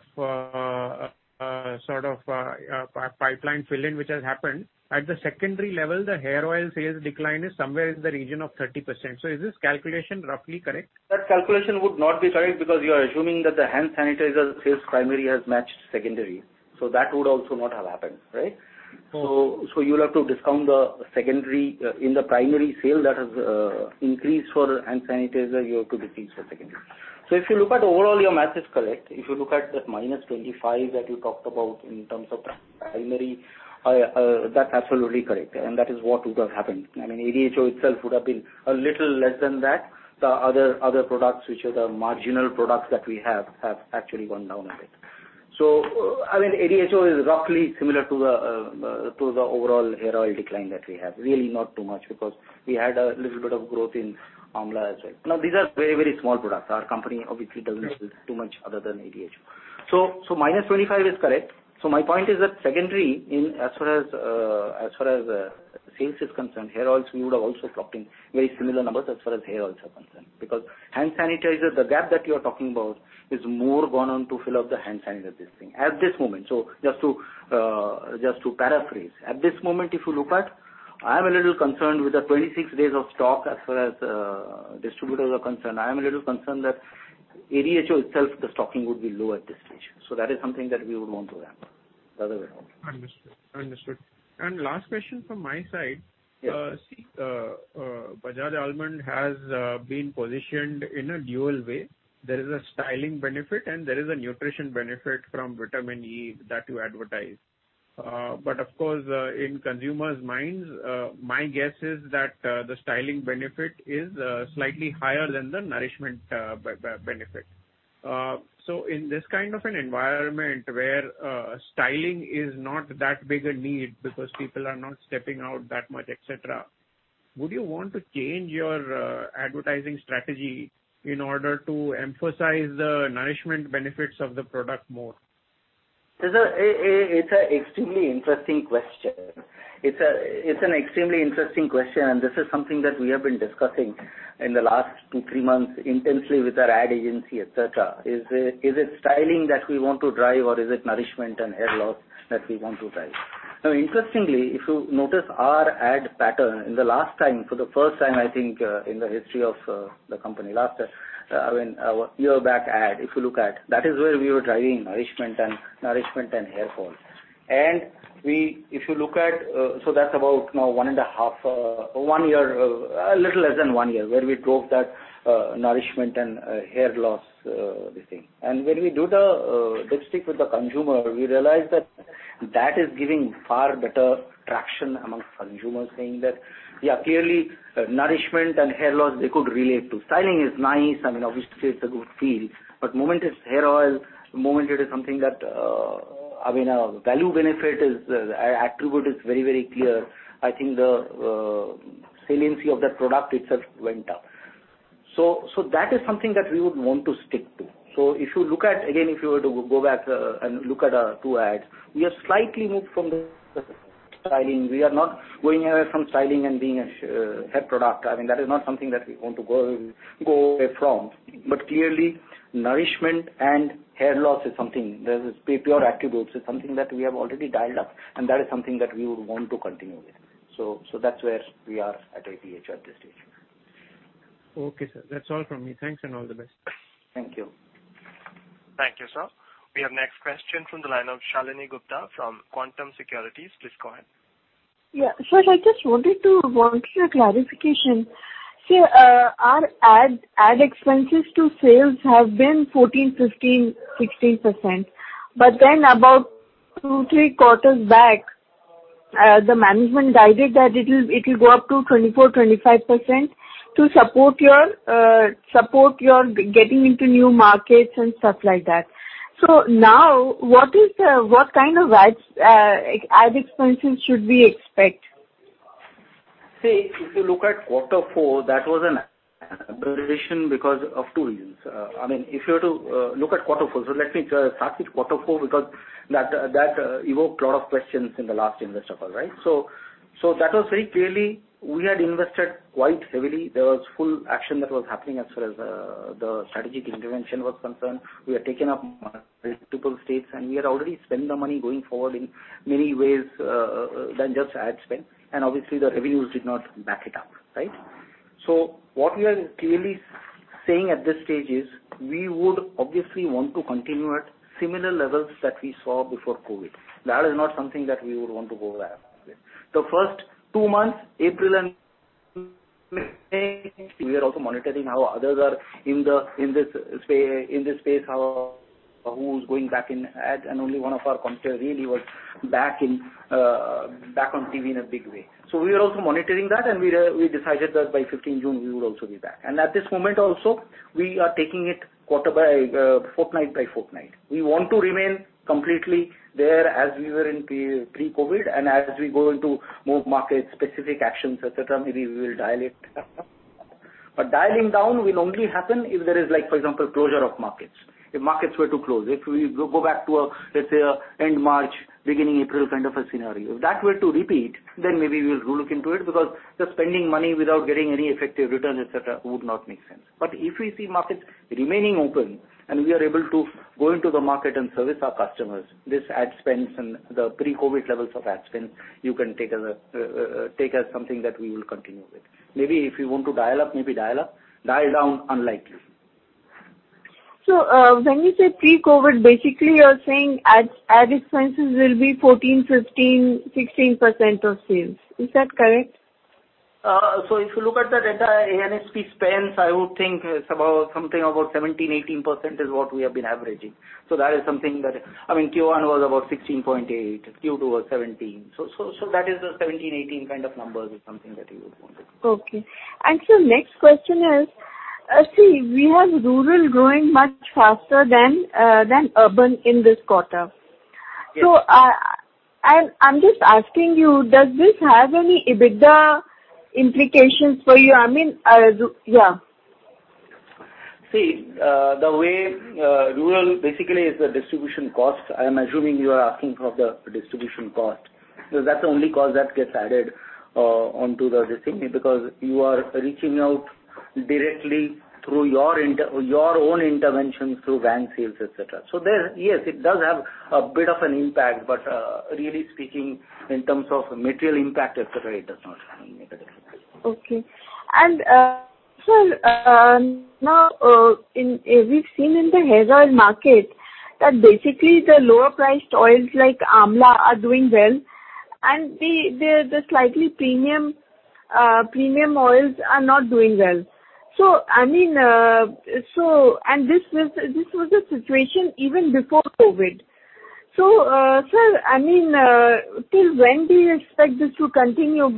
pipeline fill in, which has happened, at the secondary level, the hair oil sales decline is somewhere in the region of 30%. Is this calculation roughly correct? That calculation would not be correct because you are assuming that the hand sanitizer sales primary has matched secondary. That would also not have happened, right? You'll have to discount the secondary. In the primary sale that has increased for hand sanitizer, you have to decrease for secondary. If you look at overall, your math is correct. If you look at that -25 that you talked about in terms of primary, that's absolutely correct, and that is what would have happened. ADHO itself would have been a little less than that. The other products, which are the marginal products that we have actually gone down a bit. ADHO is roughly similar to the overall hair oil decline that we have. Really not too much, because we had a little bit of growth in Amla as well. These are very, very small products. Our company obviously doesn't sell too much other than ADHO. Minus -25 is correct. My point is that secondary, as far as sales is concerned, hair oils we would have also clocked in very similar numbers as far as hair oils are concerned. Hand sanitizer, the gap that you're talking about is more gone on to fill up the hand sanitizer thing at this moment. Just to paraphrase. At this moment, if you look at, I am a little concerned with the 26 days of stock as far as distributors are concerned. I am a little concerned that ADHO itself, the stocking would be low at this stage. That is something that we would want to ramp the other way around. Understood. Last question from my side. Yes. Bajaj Almond has been positioned in a dual way. There is a styling benefit and there is a nutrition benefit from vitamin E that you advertise. Of course, in consumers' minds, my guess is that the styling benefit is slightly higher than the nourishment benefit. In this kind of an environment where styling is not that big a need because people are not stepping out that much, et cetera, would you want to change your advertising strategy in order to emphasize the nourishment benefits of the product more? It's an extremely interesting question. It's an extremely interesting question. This is something that we have been discussing in the last two, three months intensely with our ad agency, et cetera. Is it styling that we want to drive, or is it nourishment and hair loss that we want to drive? Interestingly, if you notice our ad pattern, in the last time, for the first time, I think, in the history of the company, last year back ad, if you look at, that is where we were driving nourishment and hair fall. That's about now a little less than one year, where we drove that nourishment and hair loss thing. When we do the dipstick with the consumer, we realized that that is giving far better traction among consumers, saying that, yeah, clearly nourishment and hair loss, they could relate to. Styling is nice. Obviously, it's a good feel. The moment it's hair oil, the moment it is something that value benefit attribute is very clear, I think the saliency of that product itself went up. That is something that we would want to stick to. Again, if you were to go back and look at our two ads, we have slightly moved from the styling. We are not going away from styling and being a hair product. That is not something that we want to go away from. Clearly, nourishment and hair loss is something that is pure attributes. It's something that we have already dialed up, and that is something that we would want to continue with. That's where we are at ADHO at this stage. Okay, sir. That's all from me. Thanks, and all the best. Thank you. Thank you, sir. We have next question from the line of Shalini Gupta from Quantum Securities. Please go ahead. Yeah. Sir, I just wanted to want your clarification. Sir, our ad expenses to sales have been 14%, 15%, 16%. About two, three quarters back, the management guided that it'll go up to 24%, 25% to support your getting into new markets and stuff like that. What kind of ad expenses should we expect? See, if you look at quarter four, that was an aberration because of two reasons. If you were to look at quarter four, let me start with quarter four because that evoked a lot of questions in the last investor call, right? That was very clearly, we had invested quite heavily. There was full action that was happening as far as the strategic intervention was concerned. We had taken up multiple states, and we had already spent the money going forward in many ways other than just ad spend. Obviously, the revenues did not back it up, right? What we are clearly saying at this stage is we would obviously want to continue at similar levels that we saw before COVID-19. That is not something that we would want to go beyond that. The first two months, April and, we are also monitoring how others are in this space, who's going back in ads. Only one of our competitors really was back on TV in a big way. We were also monitoring that. We decided that by 15th June, we would also be back. At this moment also, we are taking it fortnight by fortnight. We want to remain completely there as we were in pre-COVID, and as we go into more market-specific actions, et cetera, maybe we will dial it down. Dialing down will only happen if there is, for example, closure of markets. If markets were to close. If we go back to, let's say, end March, beginning April kind of a scenario. If that were to repeat, then maybe we'll look into it because just spending money without getting any effective return, et cetera, would not make sense. If we see markets remaining open and we are able to go into the market and service our customers, this ad spends and the pre-COVID levels of ad spend, you can take as something that we will continue with. Maybe if we want to dial up, maybe dial up. Dial down, unlikely. When you say pre-COVID, basically you're saying ad expenses will be 14, 15, 16% of sales. Is that correct? If you look at the data A&P spends, I would think it's something about 17%-18% is what we have been averaging. That is something that Q1 was about 16.8%, Q2 was 17%. That is the 17%-18% kind of numbers is something that we would want it. Okay. Sir, next question is, see, we have rural growing much faster than urban in this quarter. Yes. I'm just asking you, does this have any EBITDA implications for you? See, the way rural basically is the distribution cost. I am assuming you are asking from the distribution cost, because that's the only cost that gets added onto the destination because you are reaching out directly through your own interventions through van sales, et cetera. Yes, it does have a bit of an impact, but really speaking in terms of material impact, et cetera, it does not have any material impact. Okay. Sir, now we've seen in the hair oil market that basically the lower-priced oils like Amla are doing well and the slightly premium oils are not doing well. This was a situation even before COVID. Sir, till when do you expect this to continue?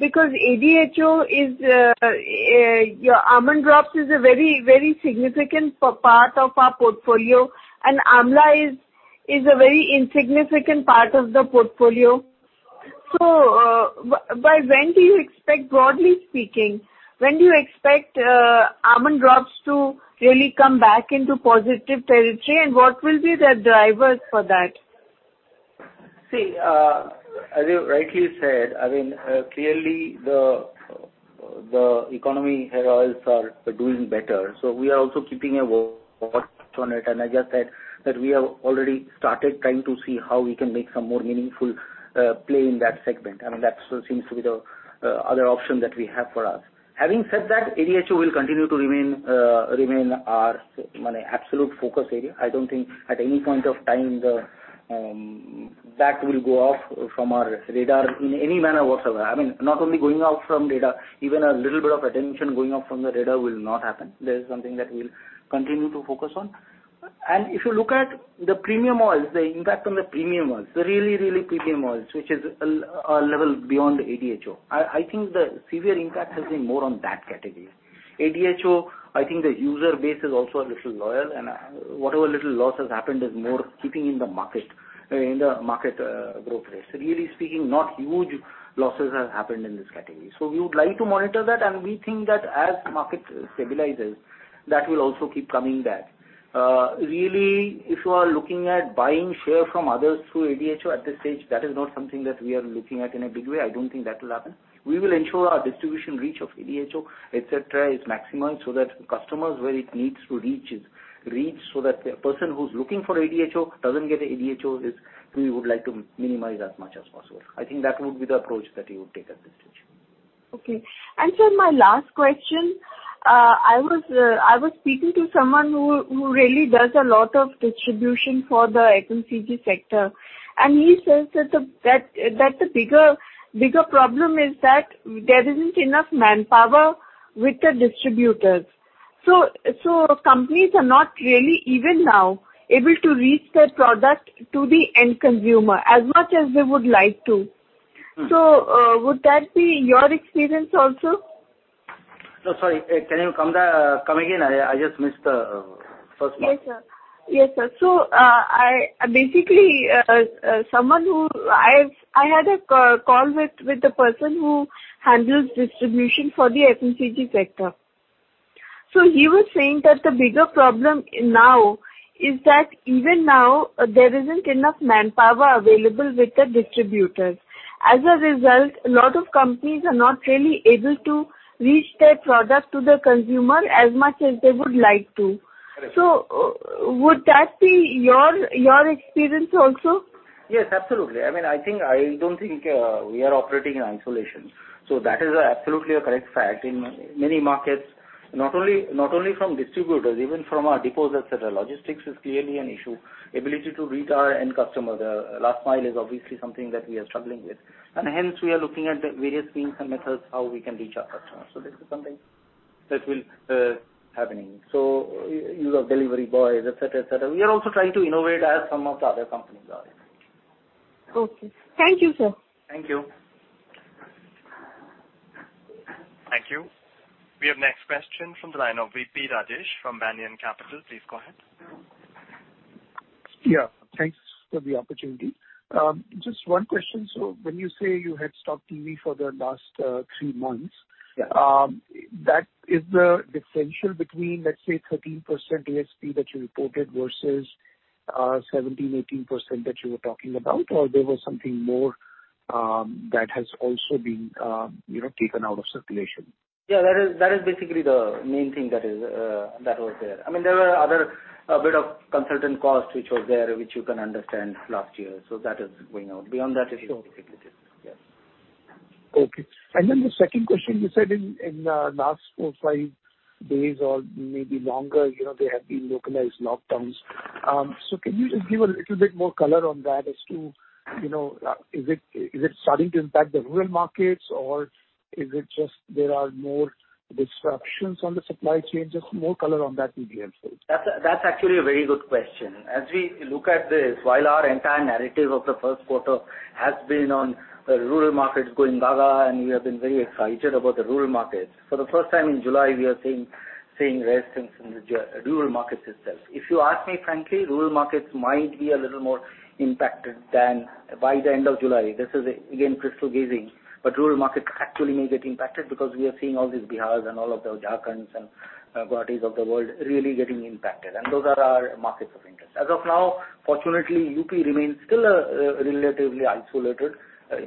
ADHO, your Almond Drops is a very significant part of our portfolio and Amla is a very insignificant part of the portfolio. By when do you expect, broadly speaking, when do you expect Almond Drops to really come back into positive territory, and what will be the drivers for that? As you rightly said, clearly the economy hair oils are doing better. We are also keeping a watch on it, and I just said that we have already started trying to see how we can make some more meaningful play in that segment. That seems to be the other option that we have for us. Having said that, ADHO will continue to remain our absolute focus area. I don't think at any point of time that will go off from our radar in any manner whatsoever. Not only going off from radar, even a little bit of attention going off from the radar will not happen. That is something that we'll continue to focus on. If you look at the premium oils, the impact on the premium oils, the really premium oils, which is a level beyond ADHO, I think the severe impact has been more on that category. ADHO, I think the user base is also a little loyal, and whatever little loss has happened is more keeping in the market growth rate. Really speaking, not huge losses have happened in this category. We would like to monitor that, and we think that as market stabilizes, that will also keep coming back. Really, if you are looking at buying share from others through ADHO at this stage, that is not something that we are looking at in a big way. I don't think that will happen. We will ensure our distribution reach of ADHO, et cetera, is maximized so that customers where it needs to reach, so that the person who's looking for ADHO doesn't get ADHO is we would like to minimize as much as possible. I think that would be the approach that we would take at this stage. Okay. Sir, my last question. I was speaking to someone who really does a lot of distribution for the FMCG sector, and he says that the bigger problem is that there isn't enough manpower with the distributors. Companies are not really, even now, able to reach their product to the end consumer as much as they would like to. Would that be your experience also? No, sorry. Can you come again? I just missed the first part. Yes, sir. Basically, I had a call with the person who handles distribution for the FMCG sector. He was saying that the bigger problem now is that even now, there isn't enough manpower available with the distributors. As a result, a lot of companies are not really able to reach their product to the consumer as much as they would like to. Correct. Would that be your experience also? Yes, absolutely. I don't think we are operating in isolation. That is absolutely a correct fact. In many markets, not only from distributors, even from our depots, et cetera, logistics is clearly an issue. Ability to reach our end customer, the last mile is obviously something that we are struggling with. Hence, we are looking at the various means and methods how we can reach our customers. This is something that will be happening. Use of delivery boys, et cetera. We are also trying to innovate as some of the other companies are. Okay. Thank you, sir. Thank you. Thank you. We have next question from the line of V.P. Rajesh from Banyan Capital. Please go ahead. Yeah. Thanks for the opportunity. Just one question. When you say you had stopped TV for the last three months? Yeah that is the differential between, let's say, 13% ASP that you reported versus 17%, 18% that you were talking about or there was something more that has also been taken out of circulation? Yeah, that is basically the main thing that was there. There were other bit of consultant costs which were there, which you can understand last year. That is going out. Sure basically this. Yes. Okay. The second question, you said in the last four, five days or maybe longer, there have been localized lockdowns. Can you just give a little bit more color on that as to, is it starting to impact the rural markets or is it just there are more disruptions on the supply chains? Just more color on that would be helpful. That's actually a very good question. As we look at this, while our entire narrative of the first quarter has been on rural markets going gaga, and we have been very excited about the rural markets. For the first time in July, we are seeing resistance in the rural markets itself. If you ask me frankly, rural markets might be a little more impacted than by the end of July. This is again, crystal gazing, but rural markets actually may get impacted because we are seeing all these Bihars and all of the Jharkhands and Gujarat of the world really getting impacted, and those are our markets of interest. As of now, fortunately, UP remains still relatively isolated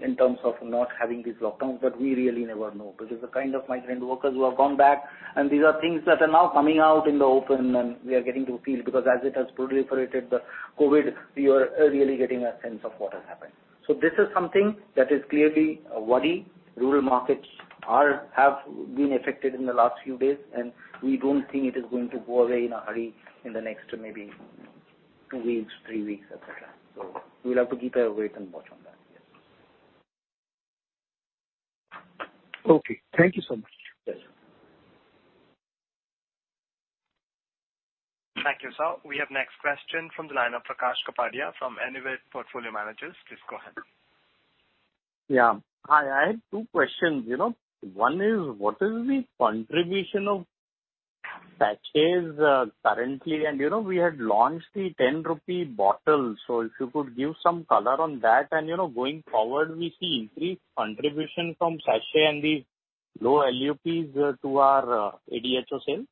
in terms of not having these lockdowns. We really never know because the kind of migrant workers who have gone back, and these are things that are now coming out in the open, and we are getting to feel because as it has proliferated, the COVID, we are really getting a sense of what has happened. This is something that is clearly a worry. Rural markets have been affected in the last few days, and we don't think it is going to go away in a hurry in the next maybe two weeks, three weeks, et cetera. We'll have to keep a wait and watch on that. Yes. Okay. Thank you so much. Yes. Thank you, sir. We have next question from the line of Prakash Kapadia from Anived Portfolio Managers. Please go ahead. Yeah. Hi. I have two questions. One is, what is the contribution of sachets currently? We had launched the 10 rupee bottle. If you could give some color on that. Going forward, we see increased contribution from sachet and the low LUPs to our ADHO sales?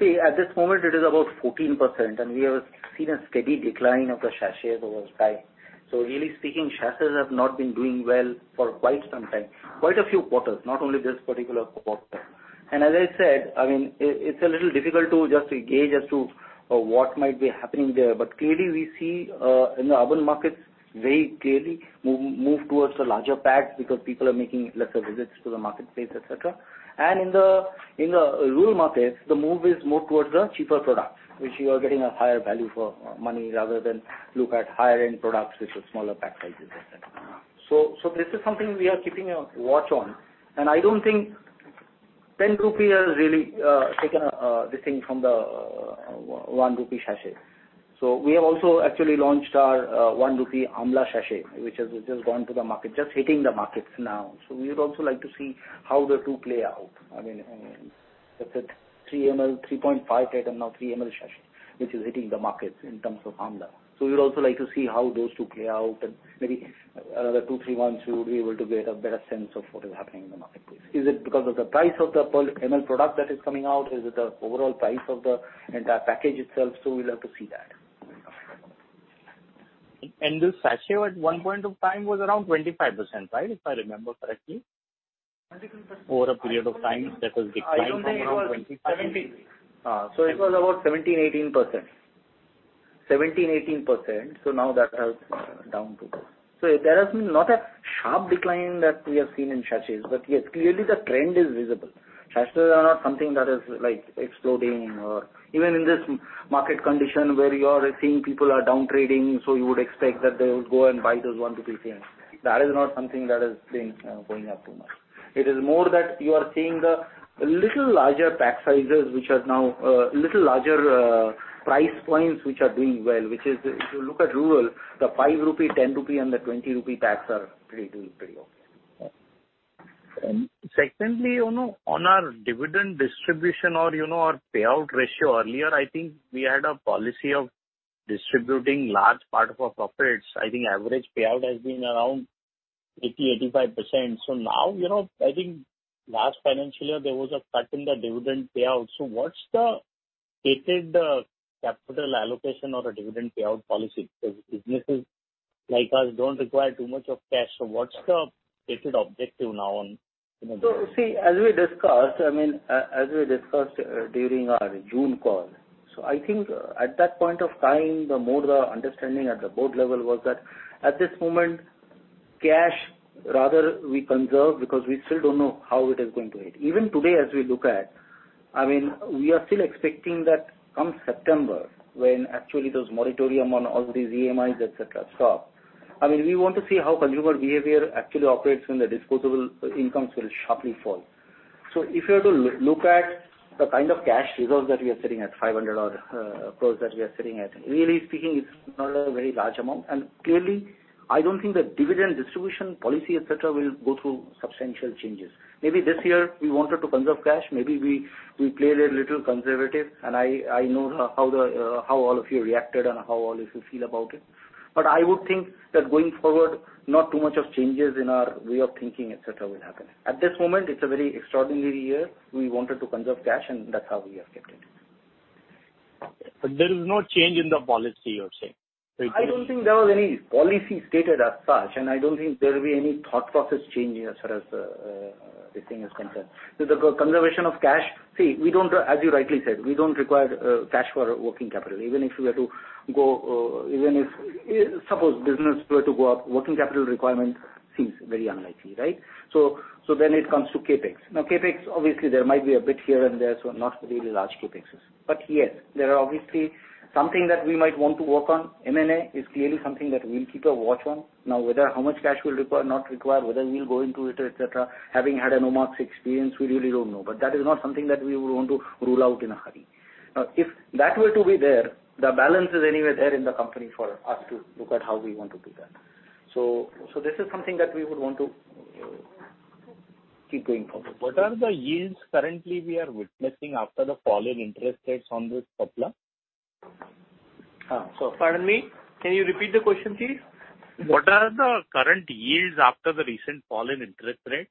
At this moment, it is about 14%, and we have seen a steady decline of the sachets over time. Really speaking, sachets have not been doing well for quite some time, quite a few quarters, not only this particular quarter. As I said, it's a little difficult to just gauge as to what might be happening there. Clearly we see in the urban markets very clearly move towards the larger packs because people are making lesser visits to the marketplace, et cetera. In the rural markets, the move is more towards the cheaper products, which you are getting a higher value for money rather than look at higher-end products with the smaller pack sizes, et cetera. This is something we are keeping a watch on. I don't think 10 rupee has really taken this thing from the INR one sachet. We have also actually launched our 1 rupee Amla sachet, which has just gone to the market, just hitting the markets now. We would also like to see how the two play out. That's a 3.5 g and now 3 ml sachet, which is hitting the markets in terms of Amla. We would also like to see how those two play out and maybe another two, three months, we would be able to get a better sense of what is happening in the marketplace. Is it because of the price of the per ml product that is coming out? Is it the overall price of the entire package itself? We'll have to see that. This sachet at one point of time was around 25%, right? If I remember correctly. 25%? Over a period of time, that has declined from around 20. I don't think it was 17%. It was about 17%-18%. There has been not a sharp decline that we have seen in sachets. Yes, clearly the trend is visible. Sachets are not something that is exploding or even in this market condition where you are seeing people are down-trading, you would expect that they would go and buy those one rupee things. That is not something that has been going up too much. It is more that you are seeing the little larger pack sizes which has now little larger price points, which are doing well. If you look at rural, the five rupee, 10 rupee and 20 rupee packs are doing pretty okay. Secondly, on our dividend distribution or our payout ratio earlier, I think we had a policy of distributing large part of our profits. I think average payout has been around 80%, 85%. Now, I think last financial year, there was a cut in the dividend payout. What's the stated capital allocation or the dividend payout policy? Businesses like us don't require too much of cash. What's the stated objective now on As we discussed during our June call. I think at that point of time, the more the understanding at the board level was that at this moment, cash rather we conserve because we still don't know how it is going to hit. Even today as we look at, we are still expecting that come September, when actually those moratorium on all these EMIs, et cetera, stop. We want to see how consumer behavior actually operates when the disposable incomes will sharply fall. If you are to look at the kind of cash reserves that we are sitting at, 500 odd crores that we are sitting at, really speaking, it's not a very large amount. Clearly, I don't think that dividend distribution policy, et cetera, will go through substantial changes. Maybe this year we wanted to conserve cash. Maybe we played a little conservative. I know how all of you reacted and how all of you feel about it. I would think that going forward, not too much of changes in our way of thinking, et cetera, will happen. At this moment, it's a very extraordinary year. We wanted to conserve cash, and that's how we have kept it. There is no change in the policy, you're saying? I don't think there was any policy stated as such, and I don't think there will be any thought process change as far as this thing is concerned. The conservation of cash, see, as you rightly said, we don't require cash for working capital. Even if suppose business were to go up, working capital requirement seems very unlikely, right? Then it comes to CapEx. Now, CapEx, obviously, there might be a bit here and there, so not really large CapExes. Yes, there are obviously something that we might want to work on. M&A is clearly something that we'll keep a watch on. Now, whether how much cash we'll require, not require, whether we'll go into it, et cetera, having had a Nomarks experience, we really don't know. That is not something that we would want to rule out in a hurry. If that were to be there, the balance is anyway there in the company for us to look at how we want to do that. This is something that we would want to keep going forward. What are the yields currently we are witnessing after the fall in interest rates on this portfolio? Pardon me, can you repeat the question, please? What are the current yields after the recent fall in interest rates?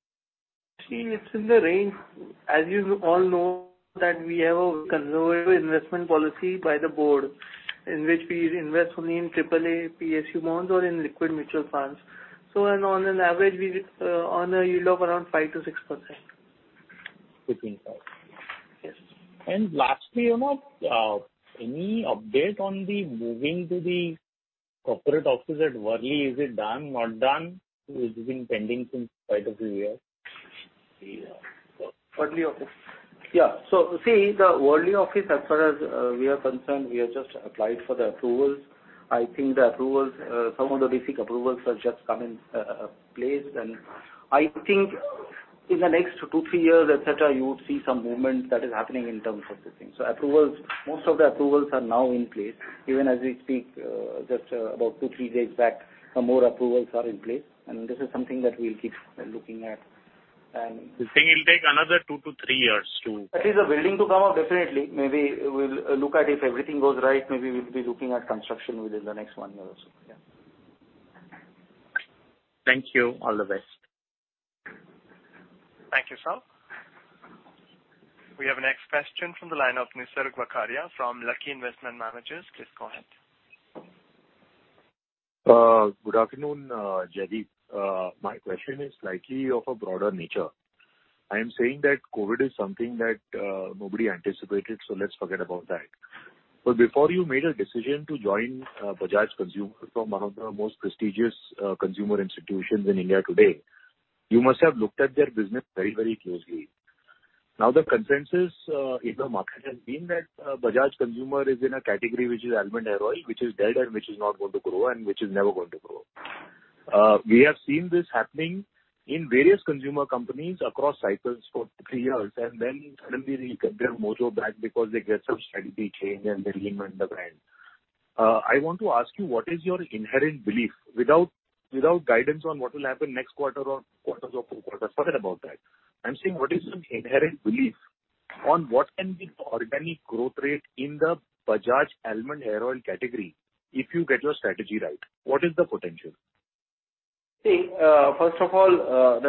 See, it's in the range. As you all know that we have a conservative investment policy by the board, in which we invest only in triple A PSU bonds or in liquid mutual funds. On an average, on a yield of around 5%-6%. 15,000. Yes. Lastly, any update on the moving to the corporate office at Worli? Is it done, not done? It has been pending since quite a few years. Worli office. See, the Worli office, as far as we are concerned, we have just applied for the approvals. I think some of the basic approvals have just come in place. I think in the next two, three years, et cetera, you would see some movement that is happening in terms of this thing. Most of the approvals are now in place. Even as we speak, just about two, three days back, some more approvals are in place, and this is something that we'll keep looking at. This thing will take another two to three years. At least a building to come up, definitely. Maybe we'll look at if everything goes right, maybe we'll be looking at construction within the next one year or so. Yeah. Thank you. All the best. Thank you, sir. We have a next question from the line of Mr. Vakharia from Lucky Investment Managers. Please go ahead. Good afternoon, Jaideep. My question is slightly of a broader nature. I am saying that COVID is something that nobody anticipated, let's forget about that. Before you made a decision to join Bajaj Consumer from one of the most prestigious consumer institutions in India today, you must have looked at their business very closely. The consensus in the market has been that Bajaj Consumer is in a category which is almond hair oil, which is dead and which is not going to grow, and which is never going to grow. We have seen this happening in various consumer companies across cycles for three years, suddenly they get their mojo back because they get some strategy change and they reinvent the brand. I want to ask you, what is your inherent belief? Without guidance on what will happen next quarter or quarters or two quarters, forget about that. I'm saying what is your inherent belief on what can be the organic growth rate in the Bajaj Almond Hair Oil category if you get your strategy right? What is the potential? First of all,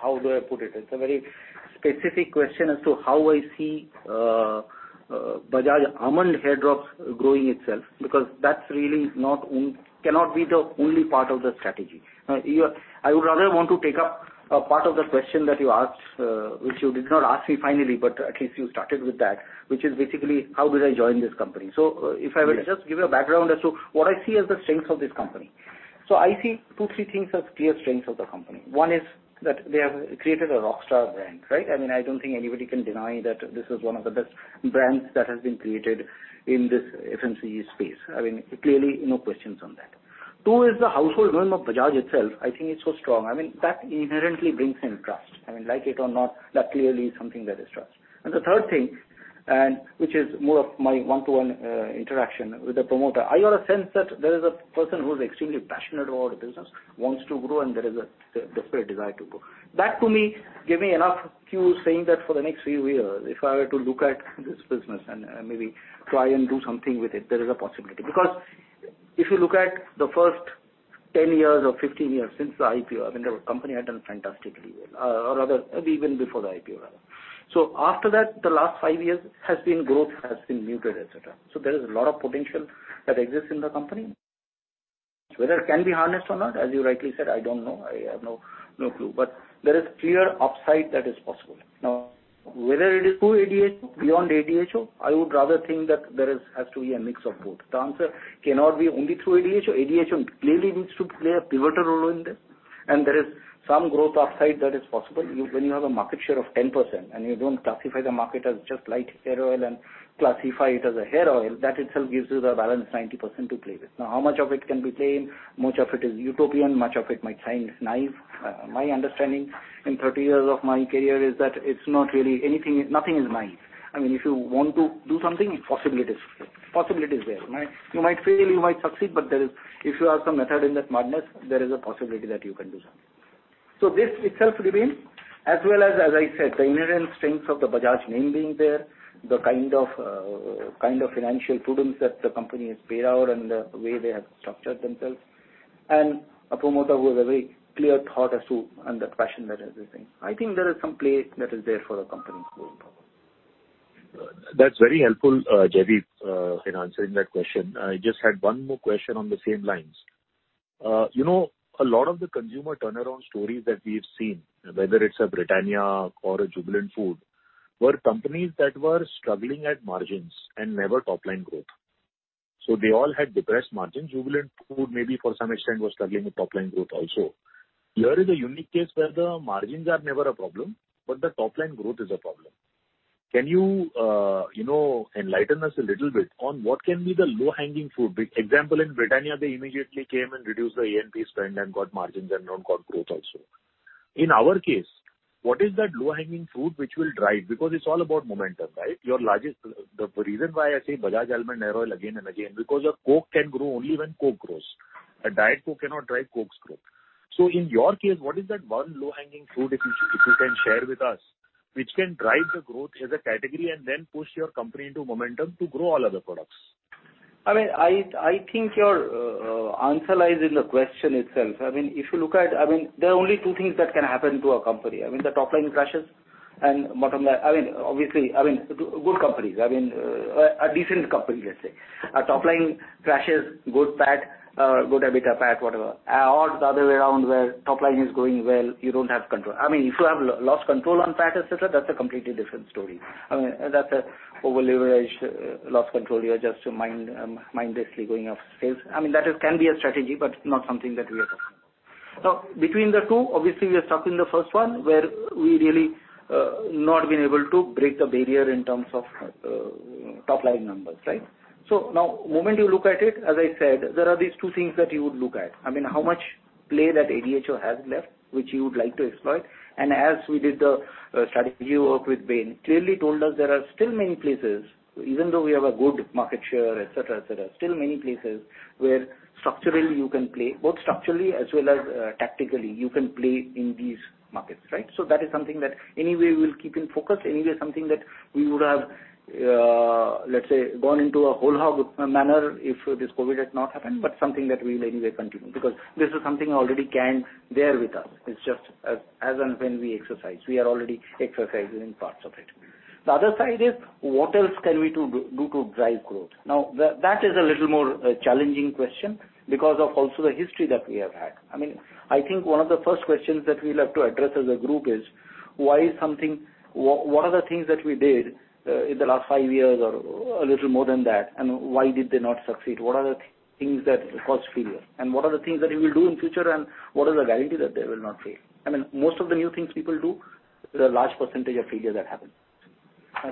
how do I put it? It's a very specific question as to how I see Bajaj Almond Hair Drops growing itself, because that really cannot be the only part of the strategy. I would rather want to take up a part of the question that you asked, which you did not ask me finally, but at least you started with that, which is basically how did I join this company. If I were to just give you a background as to what I see as the strengths of this company. I see two, three things as clear strengths of the company. One is that they have created a rockstar brand, right? I don't think anybody can deny that this is one of the best brands that has been created in this FMCG space. Clearly, no questions on that. Two is the household name of Bajaj itself, I think it's so strong. That inherently brings in trust. Like it or not, that clearly is something that is trust. The third thing is, which is more of my one-to-one interaction with the promoter. I got a sense that there is a person who is extremely passionate about the business, wants to grow, and there is a desperate desire to grow. That, to me, gave me enough cues saying that for the next few years, if I were to look at this business and maybe try and do something with it, there is a possibility. Because if you look at the first 10 years or 15 years since the IPO, I mean, the company had done fantastically well, or rather, even before the IPO rather. After that, the last five years, growth has been muted, et cetera. There is a lot of potential that exists in the company. Whether it can be harnessed or not, as you rightly said, I don't know. I have no clue. There is clear upside that is possible. Whether it is through ADHO, beyond ADHO, I would rather think that there has to be a mix of both. The answer cannot be only through ADHO. ADHO clearly needs to play a pivotal role in this, and there is some growth upside that is possible. When you have a market share of 10% and you don't classify the market as just light hair oil and classify it as a hair oil, that itself gives you the balance 90% to play with. How much of it can be claimed, much of it is utopian, much of it might sound naive. My understanding in 30 years of my career is that nothing is naive. I mean, if you want to do something, possibility is there. You might fail, you might succeed, but if you have some method in that madness, there is a possibility that you can do something. This itself remains, as well as I said, the inherent strengths of the Bajaj name being there, the kind of financial prudence that the company has paid out and the way they have structured themselves, and a promoter who has a very clear thought as to, and the passion that is within. I think there is some place that is there for the company to grow. That's very helpful, Jaideep, in answering that question. I just had one more question on the same lines. A lot of the consumer turnaround stories that we've seen, whether it's a Britannia or a Jubilant Food, were companies that were struggling at margins and never top-line growth. They all had depressed margins. Jubilant Food maybe for some extent was struggling with top-line growth also. Here is a unique case where the margins are never a problem, but the top-line growth is a problem. Can you enlighten us a little bit on what can be the low-hanging fruit? Example, in Britannia, they immediately came and reduced the A&P spend and got margins and got growth also. In our case, what is that low-hanging fruit which will drive? Because it's all about momentum, right? The reason why I say Bajaj Almond Hair Oil again and again, because your Coke can grow only when Coke grows. A Diet Coke cannot drive Coke's growth. In your case, what is that one low-hanging fruit, if you can share with us, which can drive the growth as a category and then push your company into momentum to grow all other products? I think your answer lies in the question itself. There are only two things that can happen to a company. I mean, the top line crashes and bottom line. Obviously, good companies, a decent company, let's say. A top line crashes, good PAT, good EBITDA, PAT, whatever. The other way around, where top line is going well, you don't have control. If you have lost control on PAT, et cetera, that's a completely different story. I mean, that's an over-leveraged, lost control. You're just mindlessly going upstairs. That can be a strategy, but not something that we are talking about. Now, between the two, obviously, we are stuck in the first one, where we really not been able to break the barrier in terms of top-line numbers, right? Now, moment you look at it, as I said, there are these two things that you would look at. I mean, how much play that ADHO has left, which you would like to exploit. As we did the strategy work with Bain, clearly told us there are still many places, even though we have a good market share, et cetera, still many places where structurally you can play, both structurally as well as tactically, you can play in these markets, right? That is something that anyway we'll keep in focus. Anyway, something that we would have, let's say, gone into a whole hog manner if this COVID-19 had not happened, but something that we'll anyway continue. This is something already there with us. It's just as and when we exercise. We are already exercising parts of it. The other side is what else can we do to drive growth? Now, that is a little more challenging question because of also the history that we have had. I think one of the first questions that we'll have to address as a group is, what are the things that we did in the last five years or a little more than that, and why did they not succeed? What are the things that caused failure? What are the things that you will do in future, and what is the guarantee that they will not fail? Most of the new things people do, there's a large % of failure that happens.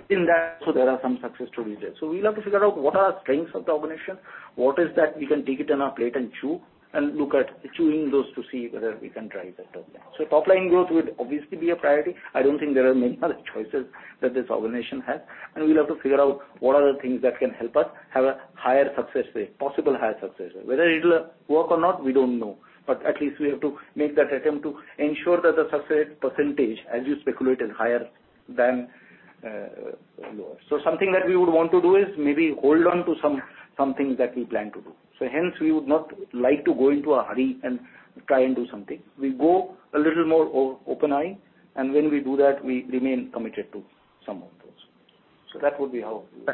In that also, there are some success stories there. We'll have to figure out what are strengths of the organization, what is that we can take it on our plate and chew, and look at chewing those to see whether we can drive the top line. Top-line growth would obviously be a priority. I don't think there are many other choices that this organization has, and we'll have to figure out what are the things that can help us have a higher success rate, possible higher success rate. Whether it'll work or not, we don't know. At least we have to make that attempt to ensure that the success rate %, as you speculate, is higher than lower. Something that we would want to do is maybe hold on to some things that we plan to do. Hence, we would not like to go into a hurry and try and do something. We'll go a little more open eye, and when we do that, we remain committed to some of those. That would be how we would.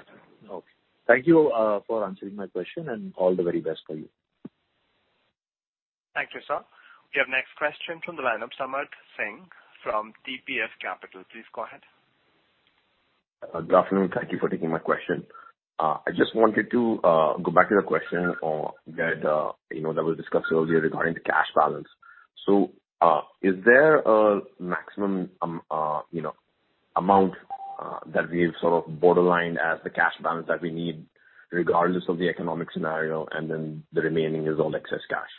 Okay. Thank you for answering my question, and all the very best for you. Thank you, sir. We have next question from the line of Samarth Singh from DPS Capital. Please go ahead. Good afternoon. Thank you for taking my question. I just wanted to go back to the question that was discussed earlier regarding the cash balance. Is there a maximum amount that we've sort of borderlined as the cash balance that we need regardless of the economic scenario, and then the remaining is all excess cash?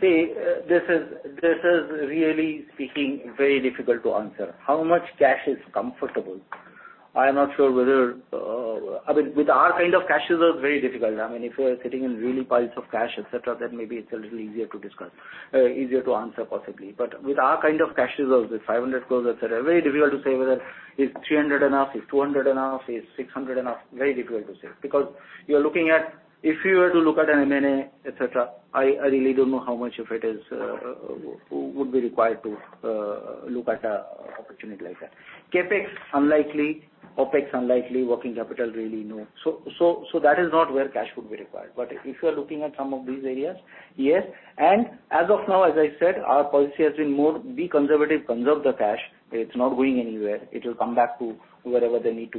This is really speaking very difficult to answer. How much cash is comfortable? I mean, with our kind of cash reserve, very difficult. If you are sitting in really piles of cash, et cetera, then maybe it's a little easier to answer, possibly. With our kind of cash reserve, with 500 crores, et cetera, very difficult to say whether 300 enough, 200 enough, 600 enough. Very difficult to say. If you were to look at an M&A, et cetera, I really don't know how much of it would be required to look at an opportunity like that. CapEx, unlikely. OpEx, unlikely. Working capital, really, no. That is not where cash would be required. If you are looking at some of these areas, yes. As of now, as I said, our policy has been more be conservative, conserve the cash. It's not going anywhere. It will come back to wherever they need to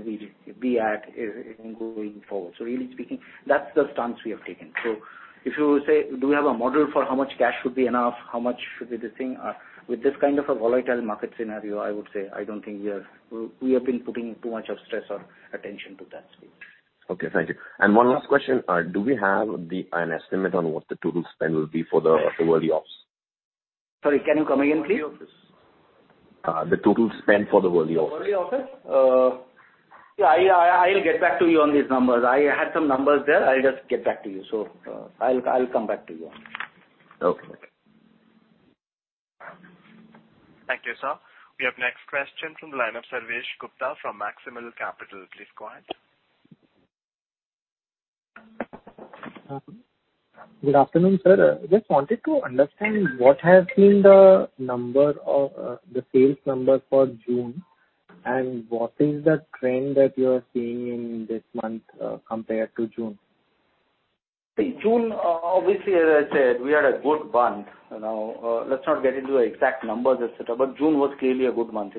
be at in going forward. Really speaking, that's the stance we have taken. If you say, do we have a model for how much cash should be enough, how much should be this thing? With this kind of a volatile market scenario, I would say I don't think we have been putting too much of stress or attention to that, really. Okay, thank you. One last question. Do we have an estimate on what the total spend will be for the Worli office? Sorry, can you come again, please? The Worli office. The total spend for the Worli office. The Worli office? Yeah, I'll get back to you on these numbers. I had some numbers there. I'll just get back to you. I'll come back to you on that. Okay. Thank you, sir. We have next question from the line of Sarvesh Gupta from Maximal Capital. Please go ahead. Good afternoon, sir. Just wanted to understand what has been the sales number for June, and what is the trend that you are seeing in this month compared to June? June, obviously, as I said, we had a good month. Let's not get into the exact numbers, et cetera, but June was clearly a good month.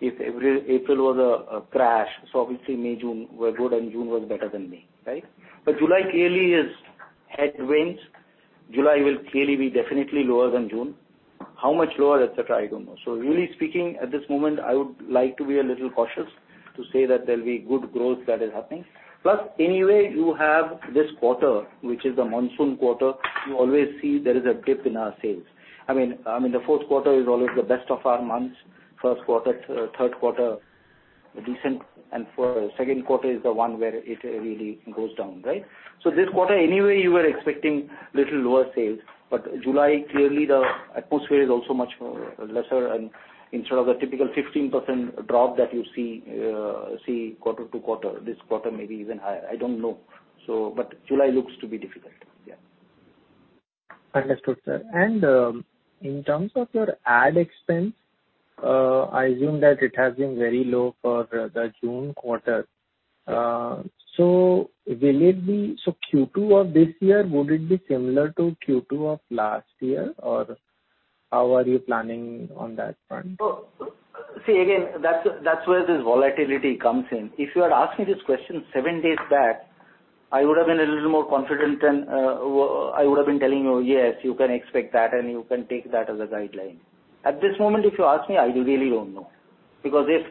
If April was a crash, so obviously May, June were good, and June was better than May, right? July clearly is headwinds. July will clearly be definitely lower than June. How much lower, et cetera, I don't know. Really speaking, at this moment, I would like to be a little cautious to say that there'll be good growth that is happening. Anyway, you have this quarter, which is the monsoon quarter. You always see there is a dip in our sales. I mean, the fourth quarter is always the best of our months. First quarter, third quarter, decent, and second quarter is the one where it really goes down, right? This quarter, anyway, you were expecting little lower sales. July, clearly the atmosphere is also much lesser. Instead of the typical 15% drop that you see quarter-to-quarter, this quarter may be even higher. I don't know. July looks to be difficult. Yeah. Understood, sir. In terms of your ad expense, I assume that it has been very low for the June quarter. Q2 of this year, would it be similar to Q2 of last year, or how are you planning on that front? See, again, that's where this volatility comes in. If you had asked me this question seven days back, I would have been a little more confident, and I would have been telling you, "Yes, you can expect that, and you can take that as a guideline." At this moment, if you ask me, I really don't know. You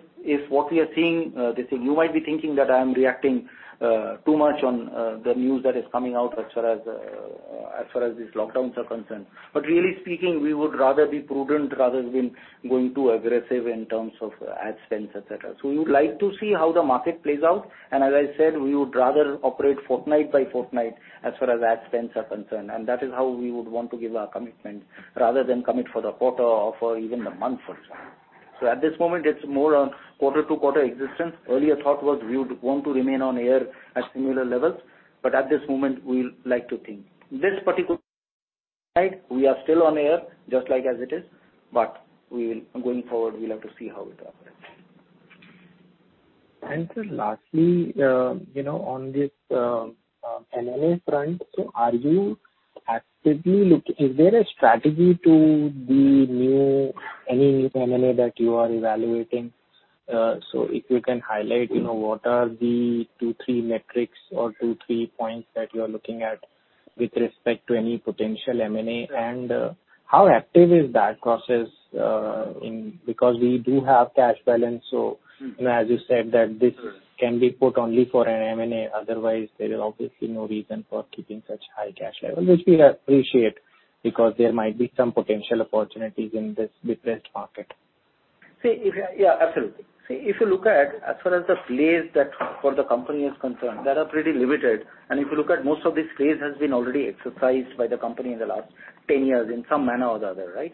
might be thinking that I'm reacting too much on the news that is coming out as far as these lockdowns are concerned. Really speaking, we would rather be prudent rather than going too aggressive in terms of ad spends, et cetera. We would like to see how the market plays out, as I said, we would rather operate fortnight by fortnight as far as ad spends are concerned, that is how we would want to give our commitment rather than commit for the quarter or for even the month or so. At this moment, it's more a quarter-to-quarter existence. Earlier thought was, we would want to remain on air at similar levels. At this moment, we'll like to think. This particular we are still on air just like as it is. Going forward, we'll have to see how it operates. Sir, lastly, on this M&A front, is there a strategy to any new M&A that you are evaluating? If you can highlight what are the two, three metrics or two, three points that you are looking at with respect to any potential M&A, and how active is that process? We do have cash balance, as you said that this can be put only for an M&A. Otherwise, there is obviously no reason for keeping such high cash level, which we appreciate because there might be some potential opportunities in this depressed market. Yeah, absolutely. If you look at, as far as the plays that for the company is concerned, that are pretty limited, and if you look at most of these plays has been already exercised by the company in the last 10 years in some manner or the other, right?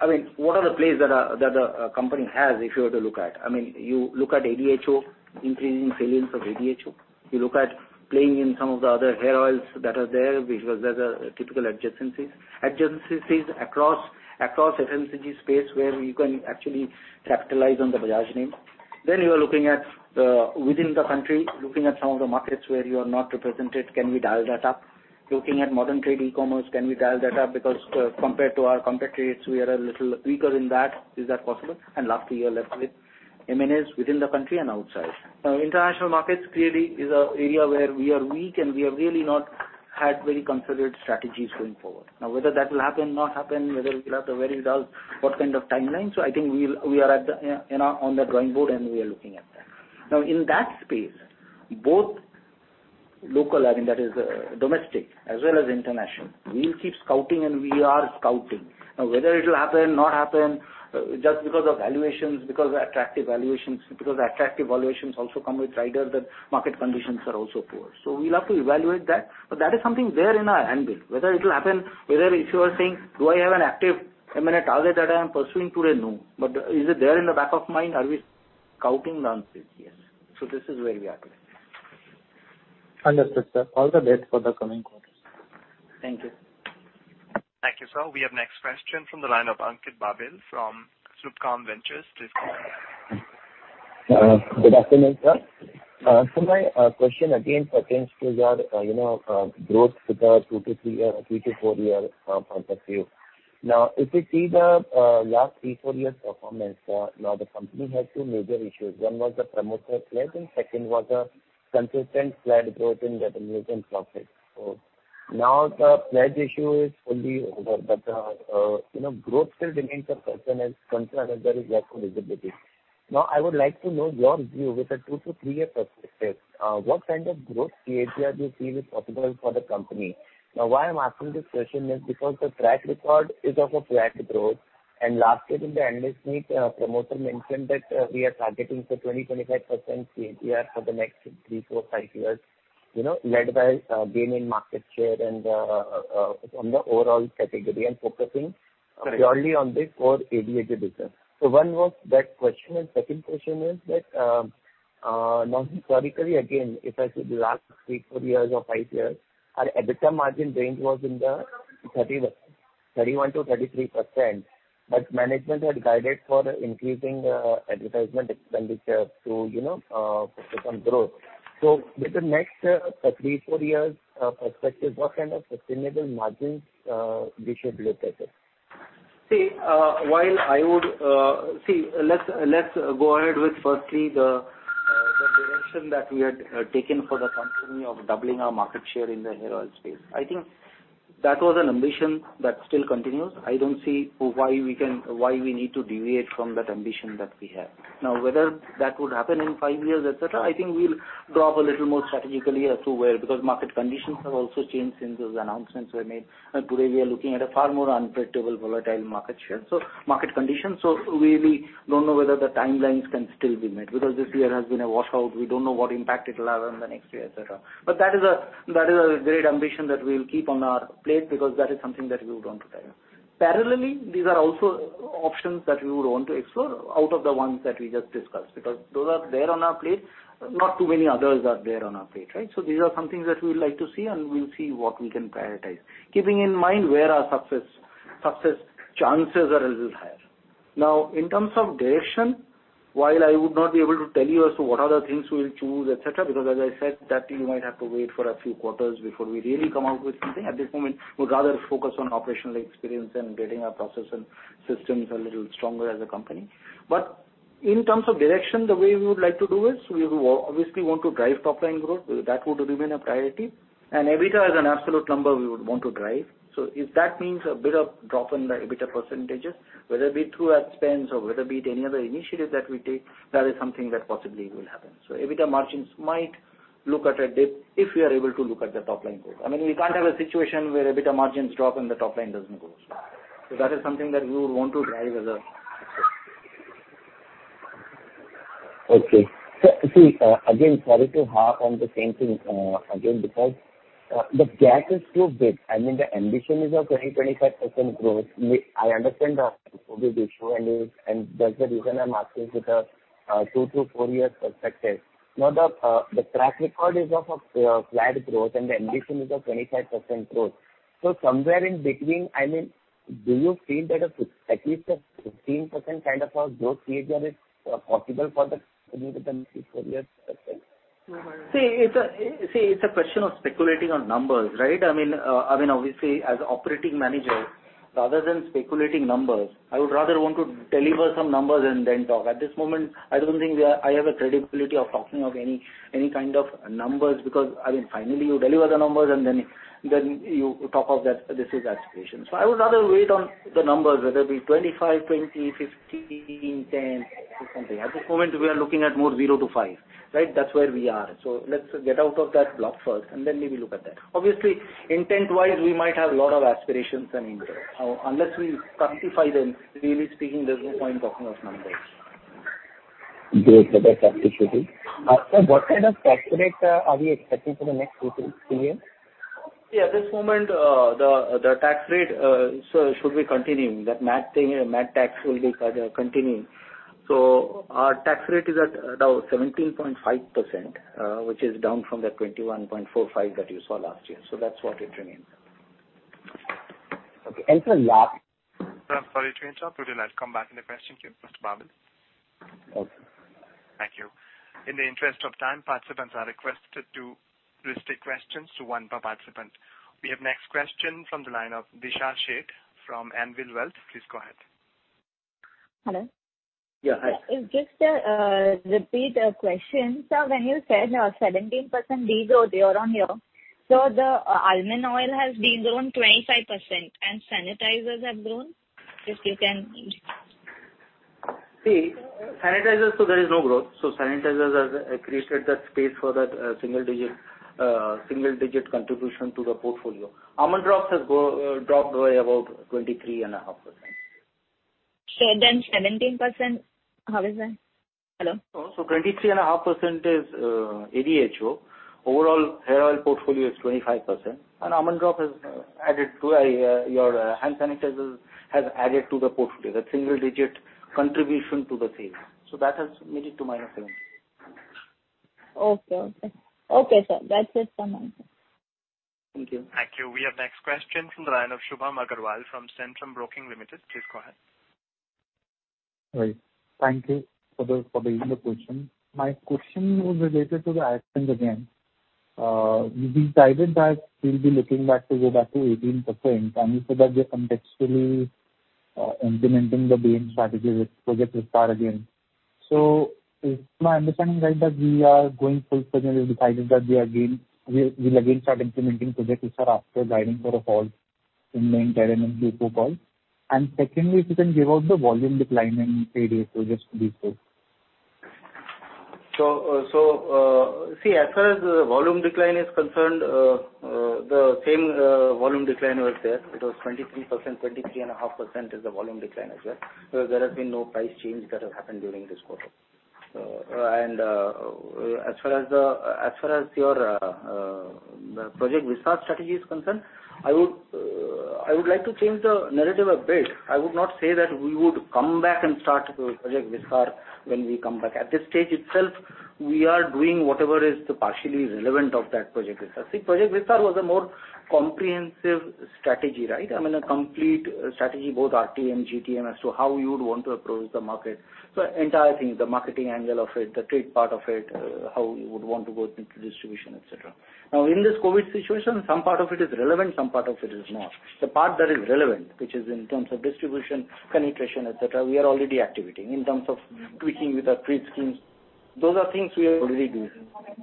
I mean, what are the plays that the company has, if you were to look at? I mean, you look at ADHO, increasing salience of ADHO. You look at playing in some of the other hair oils that are there, because those are typical adjacencies. Adjacencies across FMCG space where you can actually capitalize on the Bajaj name. You are looking at within the country, looking at some of the markets where you are not represented, can we dial that up? Looking at modern trade, e-commerce, can we dial that up? Because compared to our competitors, we are a little weaker in that. Is that possible? Lastly, you are left with M&As within the country and outside. International markets clearly is an area where we are weak, and we have really not had very considered strategies going forward. Whether that will happen, not happen, whether we'll have a very dull, what kind of timeline? I think we are on the drawing board, and we are looking at that. In that space, both local, I mean, that is domestic as well as international. We'll keep scouting and we are scouting. Whether it'll happen, not happen, just because of valuations, because of attractive valuations, because attractive valuations also come with riders that market conditions are also poor. We'll have to evaluate that. That is something there in our un-build. Whether it'll happen, whether if you are saying, do I have an active M&A target that I am pursuing today? No. Is it there in the back of mind? Are we scouting non-stop? Yes. This is where we are today. Understood, sir. All the best for the coming quarters. Thank you. Thank you, sir. We have next question from the line of Ankit Babel from Slotcom Ventures. Please go ahead. Good afternoon, sir. My question again pertains to your growth with the 2-3 year, or 3-4 year perspective. If you see the last three, four years' performance, the company has two major issues. One was the promoter pledge, second was a consistent flat growth in revenues and profits. The pledge issue is fully over, growth still remains a question as concerned as there is lack of visibility. I would like to know your view with a 2-3 year perspective, what kind of growth CAGR do you feel is possible for the company? Why I'm asking this question is because the track record is of a flat growth, and last year in the analyst meet, promoter mentioned that we are targeting for 20-25% CAGR for the next three, four, five years, led by gain in market share and on the overall category and focusing purely on this core ADHO business. One was that question, and second question is that non-category again, if I see the last three, four years or five years, our EBITDA margin range was in the 31%-33%. Management had guided for increasing advertisement expenditure to focus on growth. With the next three, four years perspective, what kind of sustainable margins we should look at it? Let's go ahead with firstly the direction that we had taken for the company of doubling our market share in the hair oil space. I think that was an ambition that still continues. I don't see why we need to deviate from that ambition that we have. Whether that would happen in five years, et cetera, I think we'll draw up a little more strategically as to where, because market conditions have also changed since those announcements were made. Today, we are looking at a far more unpredictable, volatile market share. Market conditions. We really don't know whether the timelines can still be met, because this year has been a washout. We don't know what impact it'll have on the next year, et cetera. That is a great ambition that we'll keep on our plate because that is something that we would want to parallel. Parallelly, these are also options that we would want to explore out of the ones that we just discussed, because those are there on our plate. Not too many others are there on our plate, right? These are some things that we would like to see, and we'll see what we can prioritize, keeping in mind where our success chances are a little higher. In terms of direction, while I would not be able to tell you as to what are the things we'll choose, et cetera, because as I said, that you might have to wait for a few quarters before we really come out with something. At this moment, we'd rather focus on operational experience and getting our process and systems a little stronger as a company. In terms of direction, the way we would like to do is, we obviously want to drive top-line growth. That would remain a priority. EBITDA is an absolute number we would want to drive. If that means a bit of drop in the EBITDA percentages, whether it be through ad spends or whether it be any other initiative that we take, that is something that possibly will happen. EBITDA margins might look at a dip if we are able to look at the top-line growth. I mean, we can't have a situation where EBITDA margins drop and the top line doesn't grow. That is something that we would want to drive as a Okay. See, again, sorry to harp on the same thing again, because the gap is too big. I mean, the ambition is of 20%-25% growth. I understand the issue, and that's the reason I'm asking with a 2-4 year perspective. Now the track record is of a flat growth, and the ambition is of 25% growth. Somewhere in between, I mean, do you feel that at least a 15% kind of a growth CAGR is possible for the next 3-4 years itself? It's a question of speculating on numbers, right? I mean, obviously, as operating managers, rather than speculating numbers, I would rather want to deliver some numbers and then talk. At this moment, I don't think I have a credibility of talking of any kind of numbers because, I mean, finally you deliver the numbers and then you talk of that this is aspiration. I would rather wait on the numbers, whether it be 25, 20, 15, 10 or something. At this moment, we are looking at more zero to five, right? That's where we are. Let's get out of that block first, we will look at that. Obviously, intent wise, we might have a lot of aspirations and interests. Unless we quantify them, really speaking, there's no point talking of numbers. Great. No, that's absolutely. Sir, what kind of tax rate are we expecting for the next three to four years? This moment, the tax rate should be continuing. That MAT thing here, MAT tax will be continuing. Our tax rate is at about 17.5%, which is down from the 21.45% that you saw last year. That's what it remains. Okay. Sir, sorry to interrupt. We will come back in the question queue, Mr. Babel. Okay. Thank you. In the interest of time, participants are requested to restrict questions to one per participant. We have next question from the line of Disha Sheth from Anvil Wealth. Please go ahead. Hello. Yeah, hi. It's just a repeat question. Sir, when you said your 17% de-growth year-over-year, the almond oil has de-grown 25% and sanitizers have grown? See, sanitizers, there is no growth. Sanitizers has created that space for that single digit contribution to the portfolio. Almond Drops has dropped away about 23.5%. 17%, how is that? Hello? 23.5% is ADHO. Overall, hair oil portfolio is 25%, and Almond Drops has added to your hand sanitizers, has added to the portfolio. That's single digit contribution to the sales. That has made it to minus 11. Okay. Okay, sir. That says someone. Thank you. Thank you. We have next question from the line of Shubham Agarwal from Centrum Broking Limited. Please go ahead. Right. Thank you for the introduction. My question was related to the ad spend again. You guided that we'll be looking back to go back to 18% and you said that you're contextually implementing the Bain strategy with Project Vistar again. Is my understanding right that we are going full circle? We've decided that we'll again start implementing Project Vistar after guiding for a fall in the entire Q2 call? Secondly, if you can give out the volume decline in ADHO just to be sure. See, as far as volume decline is concerned, the same volume decline was there. It was 23%, 23.5% is the volume decline as well. There has been no price change that has happened during this quarter. As far as your Project Vistar strategy is concerned, I would like to change the narrative a bit. I would not say that we would come back and start Project Vistar when we come back. At this stage itself, we are doing whatever is partially relevant of that Project Vistar. See, Project Vistar was a more comprehensive strategy, right? I mean, a complete strategy, both RT and GT, and as to how you would want to approach the market. Entire thing, the marketing angle of it, the trade part of it, how you would want to go into distribution, et cetera. In this COVID situation, some part of it is relevant, some part of it is not. The part that is relevant, which is in terms of distribution, penetration, et cetera, we are already activating, in terms of tweaking with our trade schemes. Those are things we are already doing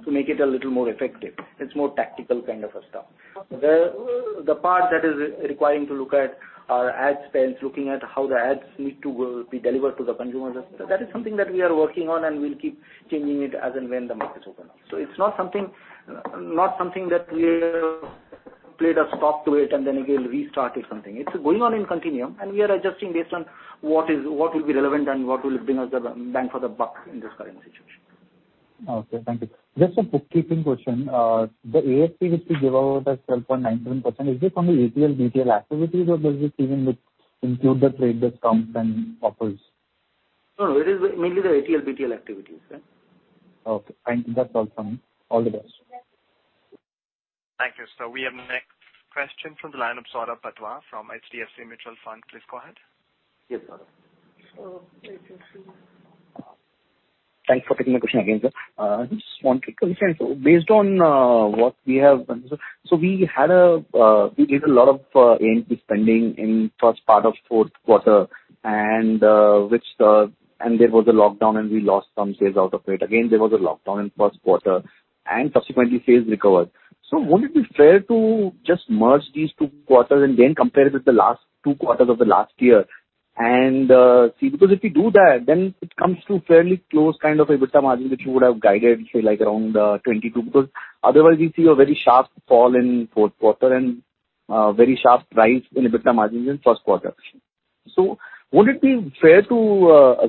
to make it a little more effective. It's more tactical kind of a stuff. The part that is requiring to look at our ad spends, looking at how the ads need to be delivered to the consumers, that is something that we are working on, and we'll keep changing it as and when the market opens. It's not something that we played a stop to it and then again restarted something. It's going on in continuum, and we are adjusting based on what will be relevant and what will bring us the bang for the buck in this current situation. Okay, thank you. Just a bookkeeping question. The ASP, which you gave out as 12.97%, is this only ATL, BTL activities, or does this even include the trade discounts and offers? No, it is mainly the ATL, BTL activities, yeah. Okay, thank you. That's all from me. All the best. Thank you. We have next question from the line of Saurabh Patwa from HDFC Mutual Fund. Please go ahead. Yes, Saurabh. Thank you. Thanks for taking my question again, sir. Just wanted clarification. Based on what we have done, so we gave a lot of A&P spending in first part of fourth quarter, and there was a lockdown and we lost some sales out of it. Again, there was a lockdown in first quarter, and subsequently sales recovered. Would it be fair to just merge these two quarters and then compare with the last two quarters of the last year and see? If we do that, then it comes to fairly close kind of EBITDA margin, which you would have guided, say, like around 22. Otherwise we see a very sharp fall in fourth quarter and very sharp rise in EBITDA margins in first quarter. Would it be fair to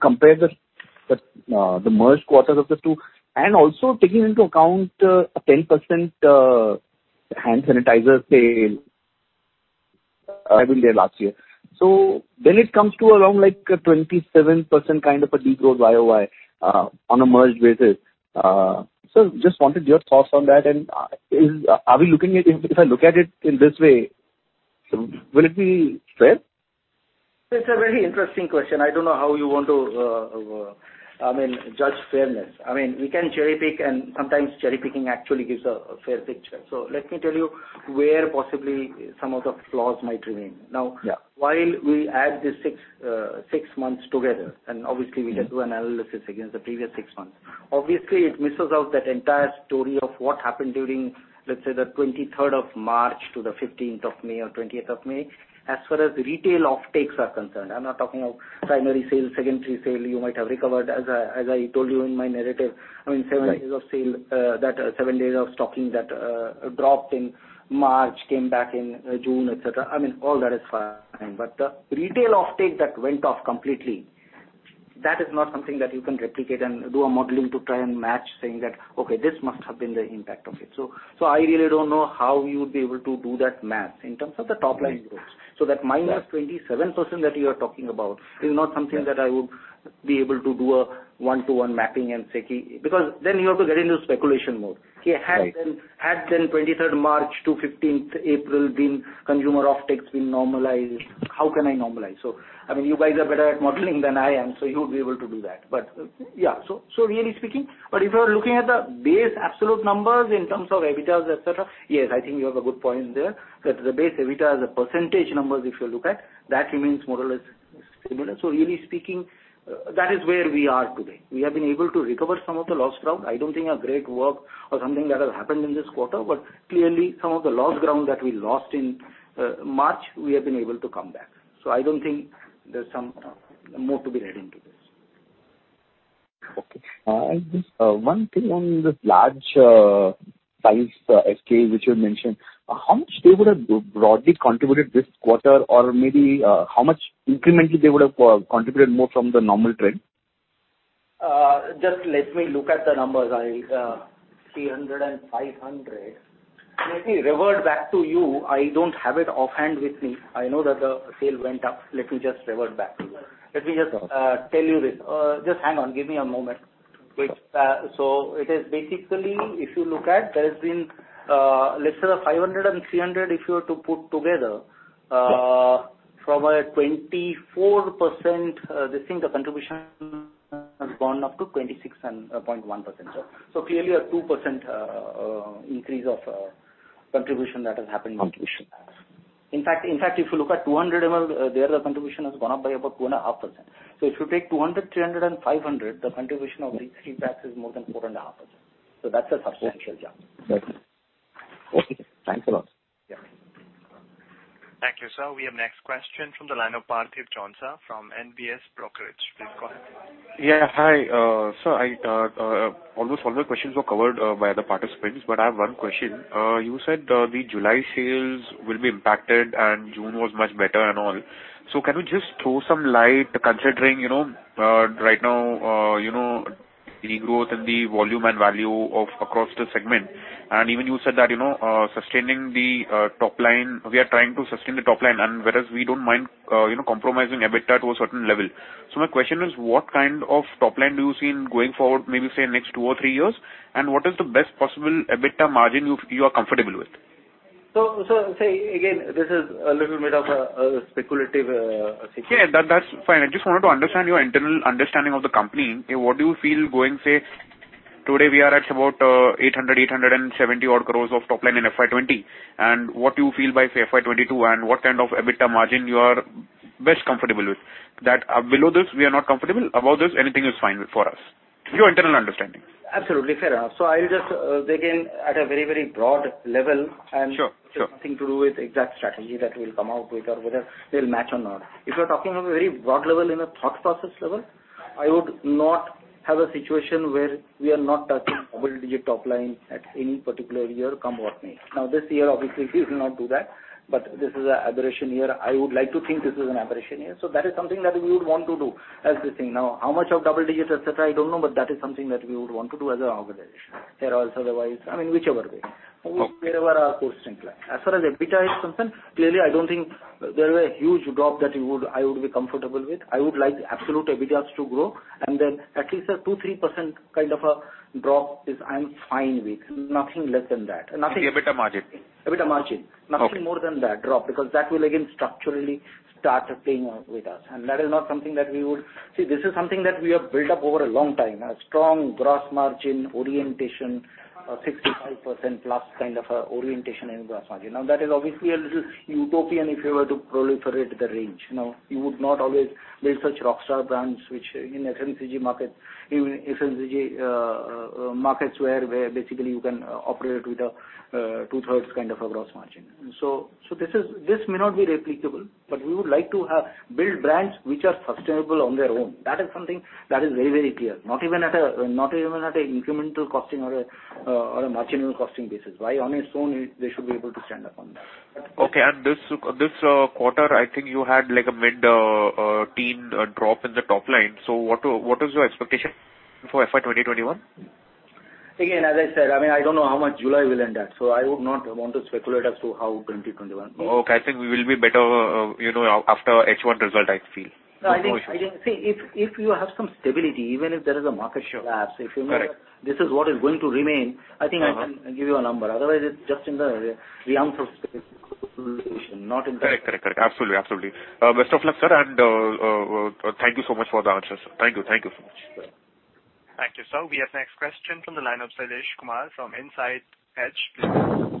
compare the merged quarters of the two? Also taking into account a 10% hand sanitizer sale having there last year. It comes to around like a 27% kind of a de-growth YOY on a merged basis. Just wanted your thoughts on that, and if I look at it in this way, will it be fair? It's a very interesting question. I don't know how you want to judge fairness. We can cherry-pick, sometimes cherry-picking actually gives a fair picture. Let me tell you where possibly some of the flaws might remain. Yeah. While we add these six months together, and obviously we can do analysis against the previous six months. It misses out that entire story of what happened during, let's say, the 23rd of March to the 15th of May or 20th of May, as far as retail offtakes are concerned. I'm not talking of primary sale, secondary sale you might have recovered. As I told you in my narrative, seven days of stocking that dropped in March, came back in June, et cetera, all that is fine. The retail offtake that went off completely, that is not something that you can replicate and do a modeling to try and match saying that, "Okay, this must have been the impact of it." I really don't know how you would be able to do that math in terms of the top-line growth. That minus 27% that you are talking about is not something that I would be able to do a one-to-one mapping and say, because then you have to get into speculation mode. Right. Had 23rd March to 15th April been consumer offtakes been normalized, how can I normalize? You guys are better at modeling than I am, so you would be able to do that. If you are looking at the base absolute numbers in terms of EBITDAs, et cetera, yes, I think you have a good point there. That the base EBITDAs are percentage numbers, if you look at, that remains more or less the same. Similar. That is where we are today. We have been able to recover some of the lost ground. I don't think a great work or something that has happened in this quarter. Clearly some of the lost ground that we lost in March, we have been able to come back. I don't think there's some more to be read into this. Okay. Just one thing on this large size SKU which you mentioned, how much they would have broadly contributed this quarter or maybe how much incrementally they would have contributed more from the normal trend? Just let me look at the numbers. 300 and 500. Let me revert back to you. I don't have it offhand with me. I know that the sale went up. Let me just revert back to you. Just hang on, give me a moment. Sure. It is basically, if you look at, there has been let's say the 500 and 300, if you were to put together. Sure from a 24%, this thing, the contribution has gone up to 26.1%. Clearly a 2% increase of contribution that has happened. Okay. In fact, if you look at 200 ml, there the contribution has gone up by about 2.5%. If you take 200, 300 and 500, the contribution of these three packs is more than 4.5%. That's a substantial jump. Got it. Okay. Thanks a lot. Yeah. Thank you, sir. We have next question from the line of Parthiv Choksi from NBS Brokerage. Please go ahead. Yeah. Hi. Sir, almost all the questions were covered by other participants, but I have one question. You said the July sales will be impacted and June was much better and all. Can you just throw some light considering right now, the growth and the volume and value of across the segment, and even you said that we are trying to sustain the top line, and whereas we don't mind compromising EBITDA to a certain level. My question is, what kind of top line do you see in going forward, maybe say next two or three years, and what is the best possible EBITDA margin you are comfortable with? Say again, this is a little bit of a speculative situation. Yeah, that's fine. I just wanted to understand your internal understanding of the company. What do you feel going, say, today we are at about 800 crore-870 crore odd of top line in FY 2020, and what you feel by say FY 2022 and what kind of EBITDA margin you are best comfortable with. That below this, we are not comfortable, above this, anything is fine for us. Your internal understanding. Absolutely fair. I'll just begin at a very broad level. Sure It's nothing to do with exact strategy that we'll come out with or whether they'll match or not. If you're talking of a very broad level in a thought process level, I would not have a situation where we are not touching double digit top line at any particular year, come what may. This year, obviously we will not do that, but this is an aberration year. I would like to think this is an aberration year. That is something that we would want to do as this thing. How much of double digit, et cetera, I don't know, but that is something that we would want to do as an organization. Hair oils, otherwise, I mean, whichever way. Okay. Wherever our core strength lie. As far as EBITDA is concerned, clearly, I don't think there is a huge drop that I would be comfortable with. I would like absolute EBITDAs to grow, and then at least a 2%, 3% kind of a drop is I'm fine with, nothing less than that. The EBITDA margin. EBITDA margin. Okay. Nothing more than that drop, that will again structurally start playing with us. That is not something that we would. This is something that we have built up over a long time, a strong gross margin orientation, a 65%+ kind of a orientation in gross margin. That is obviously a little utopian if you were to proliferate the range. You would not always build such rockstar brands, which in FMCG markets where basically you can operate with a two-thirds kind of a gross margin. This may not be replicable, but we would like to build brands which are sustainable on their own. That is something that is very clear. Not even at an incremental costing or a marginal costing basis. On its own, they should be able to stand up on that. Okay. This quarter, I think you had like a mid-teen drop in the top line. What is your expectation for FY 2021? As I said, I mean, I don't know how much July will end at, so I would not want to speculate as to how 2021 will be. Okay. I think we will be better after H1 result, I feel. No, I think, see, if you have some stability, even if there is a market collapse. Sure. Correct if you know that this is what is going to remain, I think I can give you a number. Otherwise, it's just in the realm of speculation. Correct. Absolutely. Best of luck, sir. Thank you so much for the answers. Thank you so much. Sure. Thank you, sir. We have next question from the line of Sailesh Kumar from Insight Edge. Please go ahead.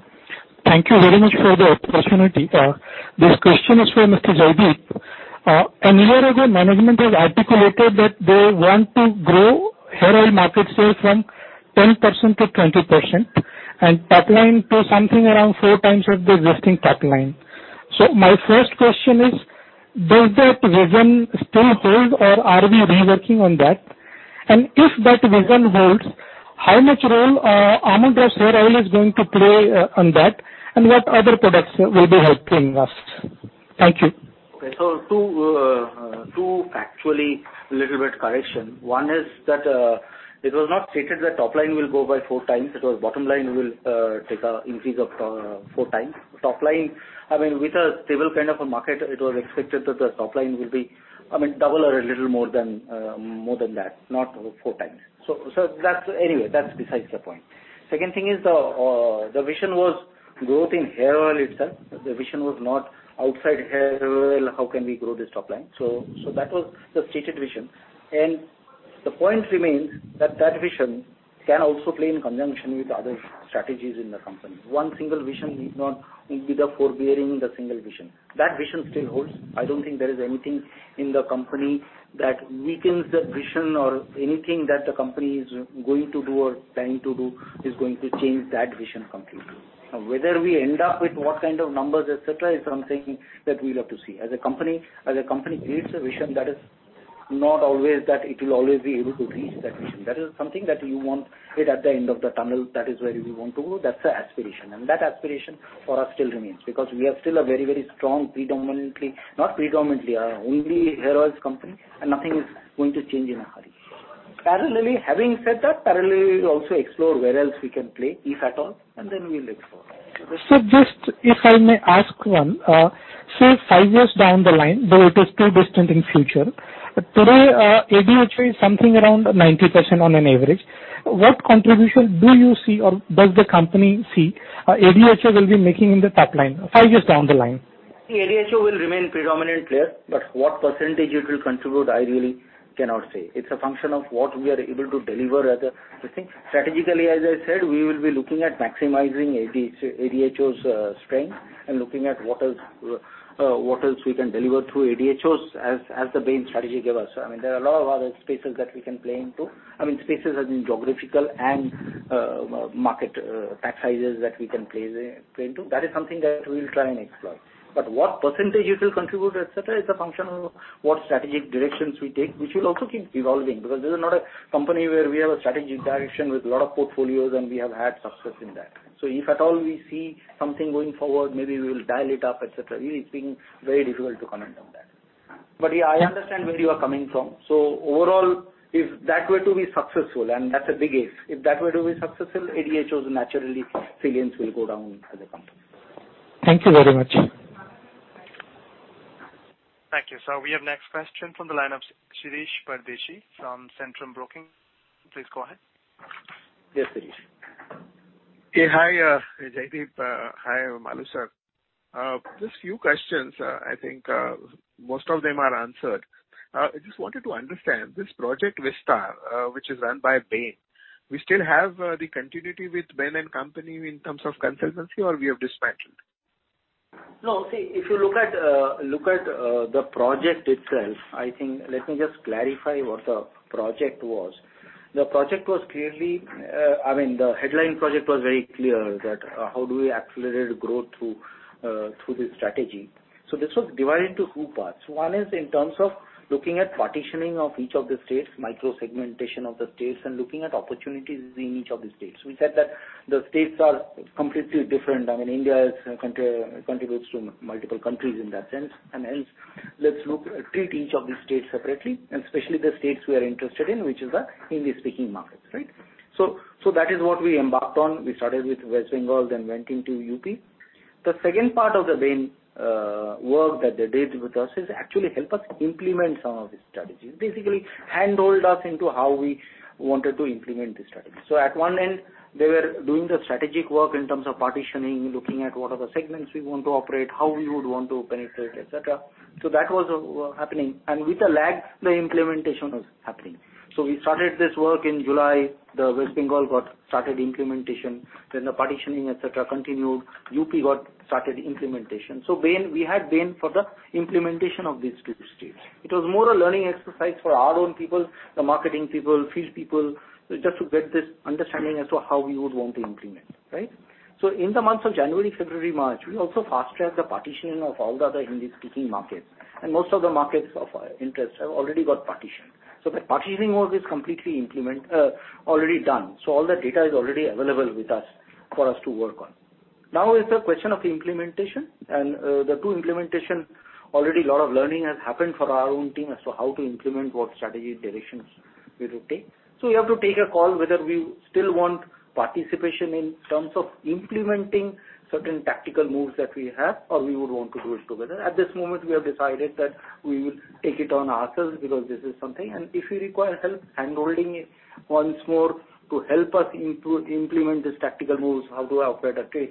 Thank you very much for the opportunity. This question is for Mr. Jaideep. A year ago, management has articulated that they want to grow hair oil market share from 10% to 20%, and top line to something around 4 times of the existing top line. My first question is, does that vision still hold or are we reworking on that? If that vision holds, how much role Amla hair oil is going to play on that? What other products will be helping us? Thank you. Okay. Two actually little bit correction. One is that it was not stated that top line will go by four times. It was bottom line will take a increase of four times. Top line, I mean, with a stable kind of a market, it was expected that the top line will be double or a little more than that, not four times. Anyway, that's besides the point. Second thing is the vision was growth in hair oil itself. The vision was not outside hair oil, how can we grow this top line. That was the stated vision. The point remains that that vision can also play in conjunction with other strategies in the company. One single vision need not be the forebearing single vision. That vision still holds. I don't think there is anything in the company that weakens the vision or anything that the company is going to do or planning to do is going to change that vision completely. Whether we end up with what kind of numbers, et cetera, is something that we'll have to see. As a company creates a vision, that is not always that it will always be able to reach that vision. That is something that you want it at the end of the tunnel. That is where we want to go. That's the aspiration. That aspiration for us still remains, because we are still a very, very strong, our only hair oils company, and nothing is going to change in a hurry. Parallelly, having said that, we'll also explore where else we can play, if at all, and then we'll explore. Sir, just if I may ask one. Say, five years down the line, though it is too distant in future, today ADHO is something around 90% on an average. What contribution do you see or does the company see ADHO will be making in the top line five years down the line? The ADHO will remain predominant player, but what percentage it will contribute, I really cannot say. It's a function of what we are able to deliver as a thing. Strategically, as I said, we will be looking at maximizing ADHO's strength and looking at what else we can deliver through ADHOs as the main strategy gave us. There are a lot of other spaces that we can play into. Spaces as in geographical and market pack sizes that we can play into. That is something that we'll try and explore. What percentage it will contribute, et cetera, is a function of what strategic directions we take, which will also keep evolving, because this is not a company where we have a strategic direction with a lot of portfolios, and we have had success in that. If at all we see something going forward, maybe we will dial it up, et cetera. It's been very difficult to comment on that. Yeah, I understand where you are coming from. Overall, if that were to be successful, and that's a big if that were to be successful, ADHO's naturally, reliance will go down as a company. Thank you very much. Thank you. We have next question from the line of Shirish Pardeshi from Centrum Broking. Please go ahead. Yes, Shirish. Hey. Hi, Jaideep. Hi, Maloo, sir. Just few questions. I think most of them are answered. I just wanted to understand. This Project Vistar, which is run by Bain, we still have the continuity with Bain & Company in terms of consultancy, or we have dispatched it? No. See, if you look at the project itself, let me just clarify what the project was. The headline project was very clear that how do we accelerate growth through this strategy. This was divided into two parts. One is in terms of looking at partitioning of each of the states, micro-segmentation of the states, and looking at opportunities in each of the states. We said that the states are completely different. India contributes to multiple countries in that sense, and hence, let's treat each of these states separately, and especially the states we are interested in, which is the Hindi-speaking markets, right? That is what we embarked on. We started with West Bengal, then went into UP. The second part of the Bain work that they did with us is actually help us implement some of the strategies. Hand-hold us into how we wanted to implement this strategy. At one end, they were doing the strategic work in terms of partitioning, looking at what are the segments we want to operate, how we would want to penetrate, et cetera. That was happening. With a lag, the implementation was happening. We started this work in July. West Bengal started implementation. The partitioning, et cetera, continued. U.P. started implementation. We had Bain for the implementation of these two states. It was more a learning exercise for our own people, the marketing people, field people, just to get this understanding as to how we would want to implement, right? In the months of January, February, March, we also fast-tracked the partitioning of all the other Hindi-speaking markets. Most of the markets of our interest have already got partitioned. The partitioning work is completely already done. All the data is already available with us for us to work on. Now is the question of implementation, and the two implementation already a lot of learning has happened for our own team as to how to implement what strategy directions we will take. We have to take a call whether we still want participation in terms of implementing certain tactical moves that we have, or we would want to do it together. At this moment, we have decided that we will take it on ourselves because this is something. If we require help handholding it once more to help us implement this tactical moves, how to operate a trade,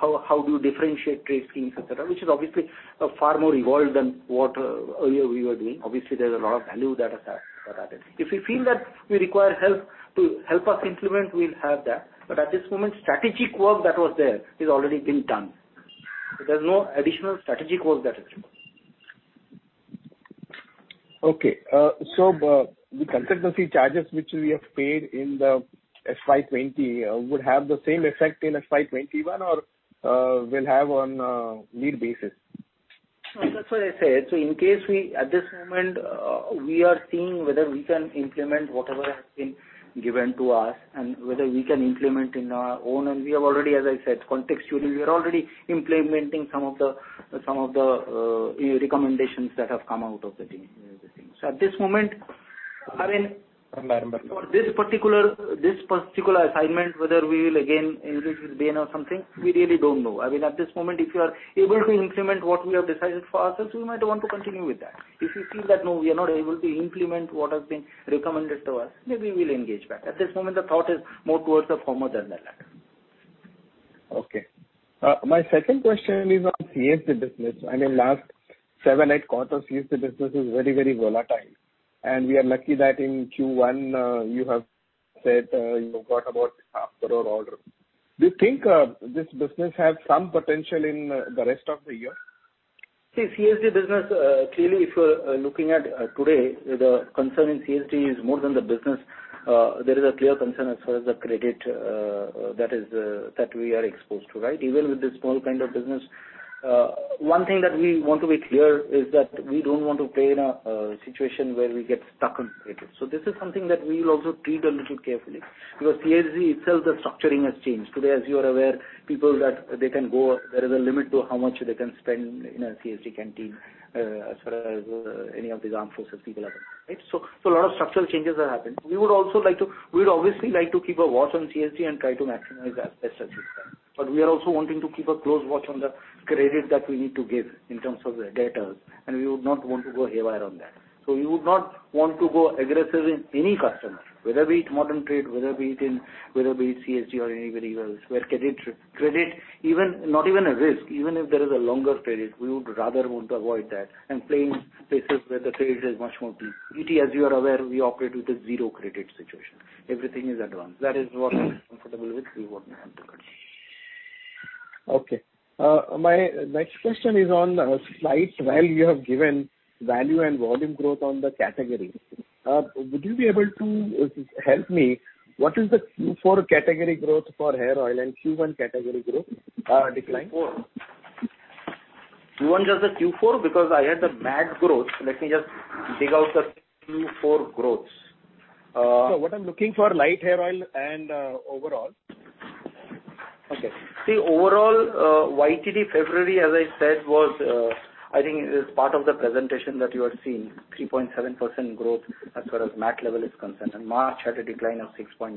how do you differentiate trade schemes, et cetera, which is obviously a far more evolved than what earlier we were doing. Obviously, there's a lot of value that are there. If we feel that we require help to help us implement, we'll have that. At this moment, strategic work that was there has already been done. There's no additional strategic work that is required. Okay. The consultancy charges which we have paid in the FY 2020 would have the same effect in FY 2021 or will have on a need basis? That's what I said. In case we, at this moment, we are seeing whether we can implement whatever has been given to us and whether we can implement in our own. We have already, as I said, contextually, we are already implementing some of the recommendations that have come out of the team. I remember. This particular assignment, whether we will again engage with Bain or something, we really don't know. At this moment, if we are able to implement what we have decided for ourselves, we might want to continue with that. If we feel that, no, we are not able to implement what has been recommended to us, maybe we'll engage back. At this moment, the thought is more towards the former than the latter. Okay. My second question is on CSD business. In the last seven, eight quarters, CSD business is very, very volatile. We are lucky that in Q1, you have said you got about half the order. Do you think this business has some potential in the rest of the year? CSD business, clearly, if you're looking at today, the concern in CSD is more than the business. There is a clear concern as far as the credit that we are exposed to. Even with this small kind of business, one thing that we want to be clear is that we don't want to play in a situation where we get stuck on credit. This is something that we will also treat a little carefully, because CSD itself, the structuring has changed. Today, as you are aware, people that they can go, there is a limit to how much they can spend in a CSD canteen as far as any of these armed forces people are. A lot of structural changes have happened. We would obviously like to keep a watch on CSD and try to maximize as best as we can. We are also wanting to keep a close watch on the credit that we need to give in terms of the debtors, and we would not want to go haywire on that. We would not want to go aggressive in any customer, whether be it modern trade, whether be it CSD or anybody else, where credit, not even a risk. Even if there is a longer credit, we would rather want to avoid that and play in places where the credit is much more clean. GT, as you are aware, we operate with a zero credit situation. Everything is advance. That is what we're comfortable with, we want to continue. Okay. My next question is on slide 12, you have given value and volume growth on the category. Would you be able to help me, what is the Q4 category growth for hair oil and Q1 category growth decline? Q4. You want just the Q4? I have the MAT growth. Let me just dig out the Q4 growth. No, what I'm looking for light hair oil and overall. Okay. See, overall, YTD February, as I said, was, I think it is part of the presentation that you have seen, 3.7% growth as far as MAT level is concerned, and March had a decline of 6.9%.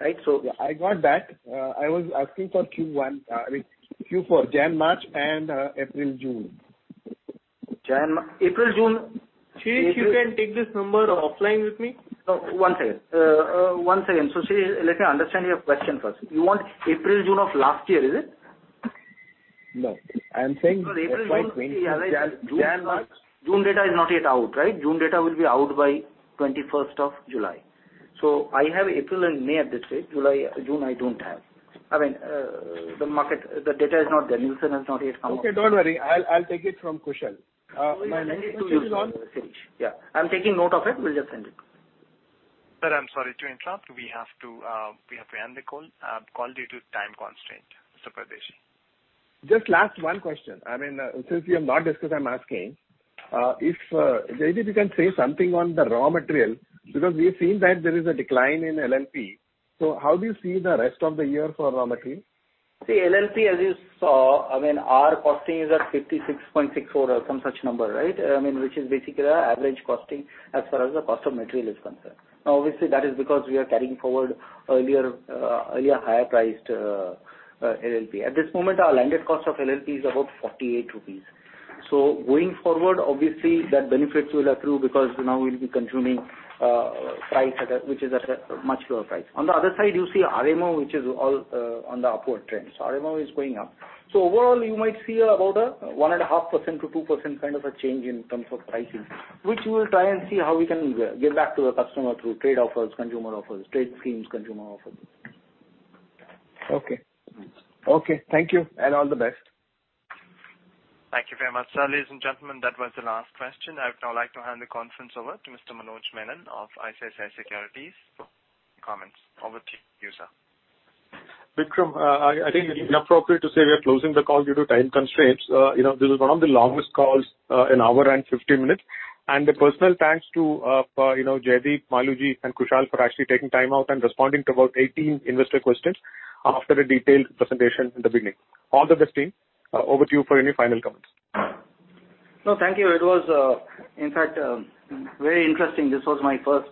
Yeah, I got that. I was asking for Q4 Jan, March and April, June. April, June. Shirish, you can take this number offline with me. One second. Shirish, let me understand your question first. You want April, June of last year, is it? No. Sir, April, June data is not yet out. June data will be out by 21st of July. I have April and May at this stage. June I don't have. I mean, the data is not there. Nielsen has not yet come out. Okay, don't worry. I'll take it from Kushal. Yeah, I'm taking note of it. We'll just send it. Sir, I'm sorry to interrupt. We have to end the call due to time constraint. Mr. Pardeshi. Just last one question. Since we have not discussed, I'm asking. If Jaideep, you can say something on the raw material, because we have seen that there is a decline in LLP. How do you see the rest of the year for raw material? See, LLP, as you saw, our costing is at 56.64 or some such number. I mean, which is basically our average costing as far as the cost of material is concerned. Now, obviously, that is because we are carrying forward earlier higher priced LLP. At this moment, our landed cost of LLP is about 48 rupees. Going forward, obviously, that benefits will accrue because now we'll be consuming price which is at a much lower price. On the other side, you see RMO, which is all on the upward trend. RMO is going up. Overall, you might see about a 1.5%-2% kind of a change in terms of pricing, which we will try and see how we can give back to the customer through trade offers, consumer offers, trade schemes, consumer offers. Okay. Thank you, and all the best. Thank you very much, sir. Ladies and gentlemen, that was the last question. I would now like to hand the conference over to Mr. Manoj Menon of ICICI Securities for closing comments. Over to you, sir. Vikram, I think it is appropriate to say we are closing the call due to time constraints. This was one of the longest calls, one hour and 50 minutes. A personal thanks to Jaideep, Maloo ji and Kushal for actually taking time out and responding to about 18 investor questions after a detailed presentation in the beginning. All the best, team. Over to you for any final comments. No, thank you. It was, in fact, very interesting. This was my first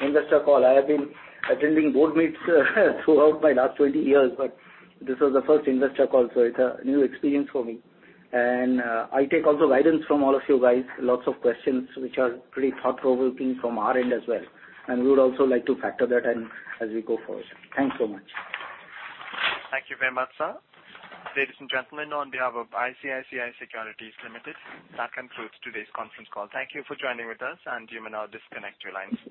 investor call. I have been attending board meetings throughout my last 20 years, but this was the first investor call, so it's a new experience for me. I take also guidance from all of you guys, lots of questions which are pretty thought-provoking from our end as well. We would also like to factor that in as we go forward. Thanks so much. Thank you very much, sir. Ladies and gentlemen, on behalf of ICICI Securities Limited, that concludes today's conference call. Thank you for joining with us, and you may now disconnect your lines.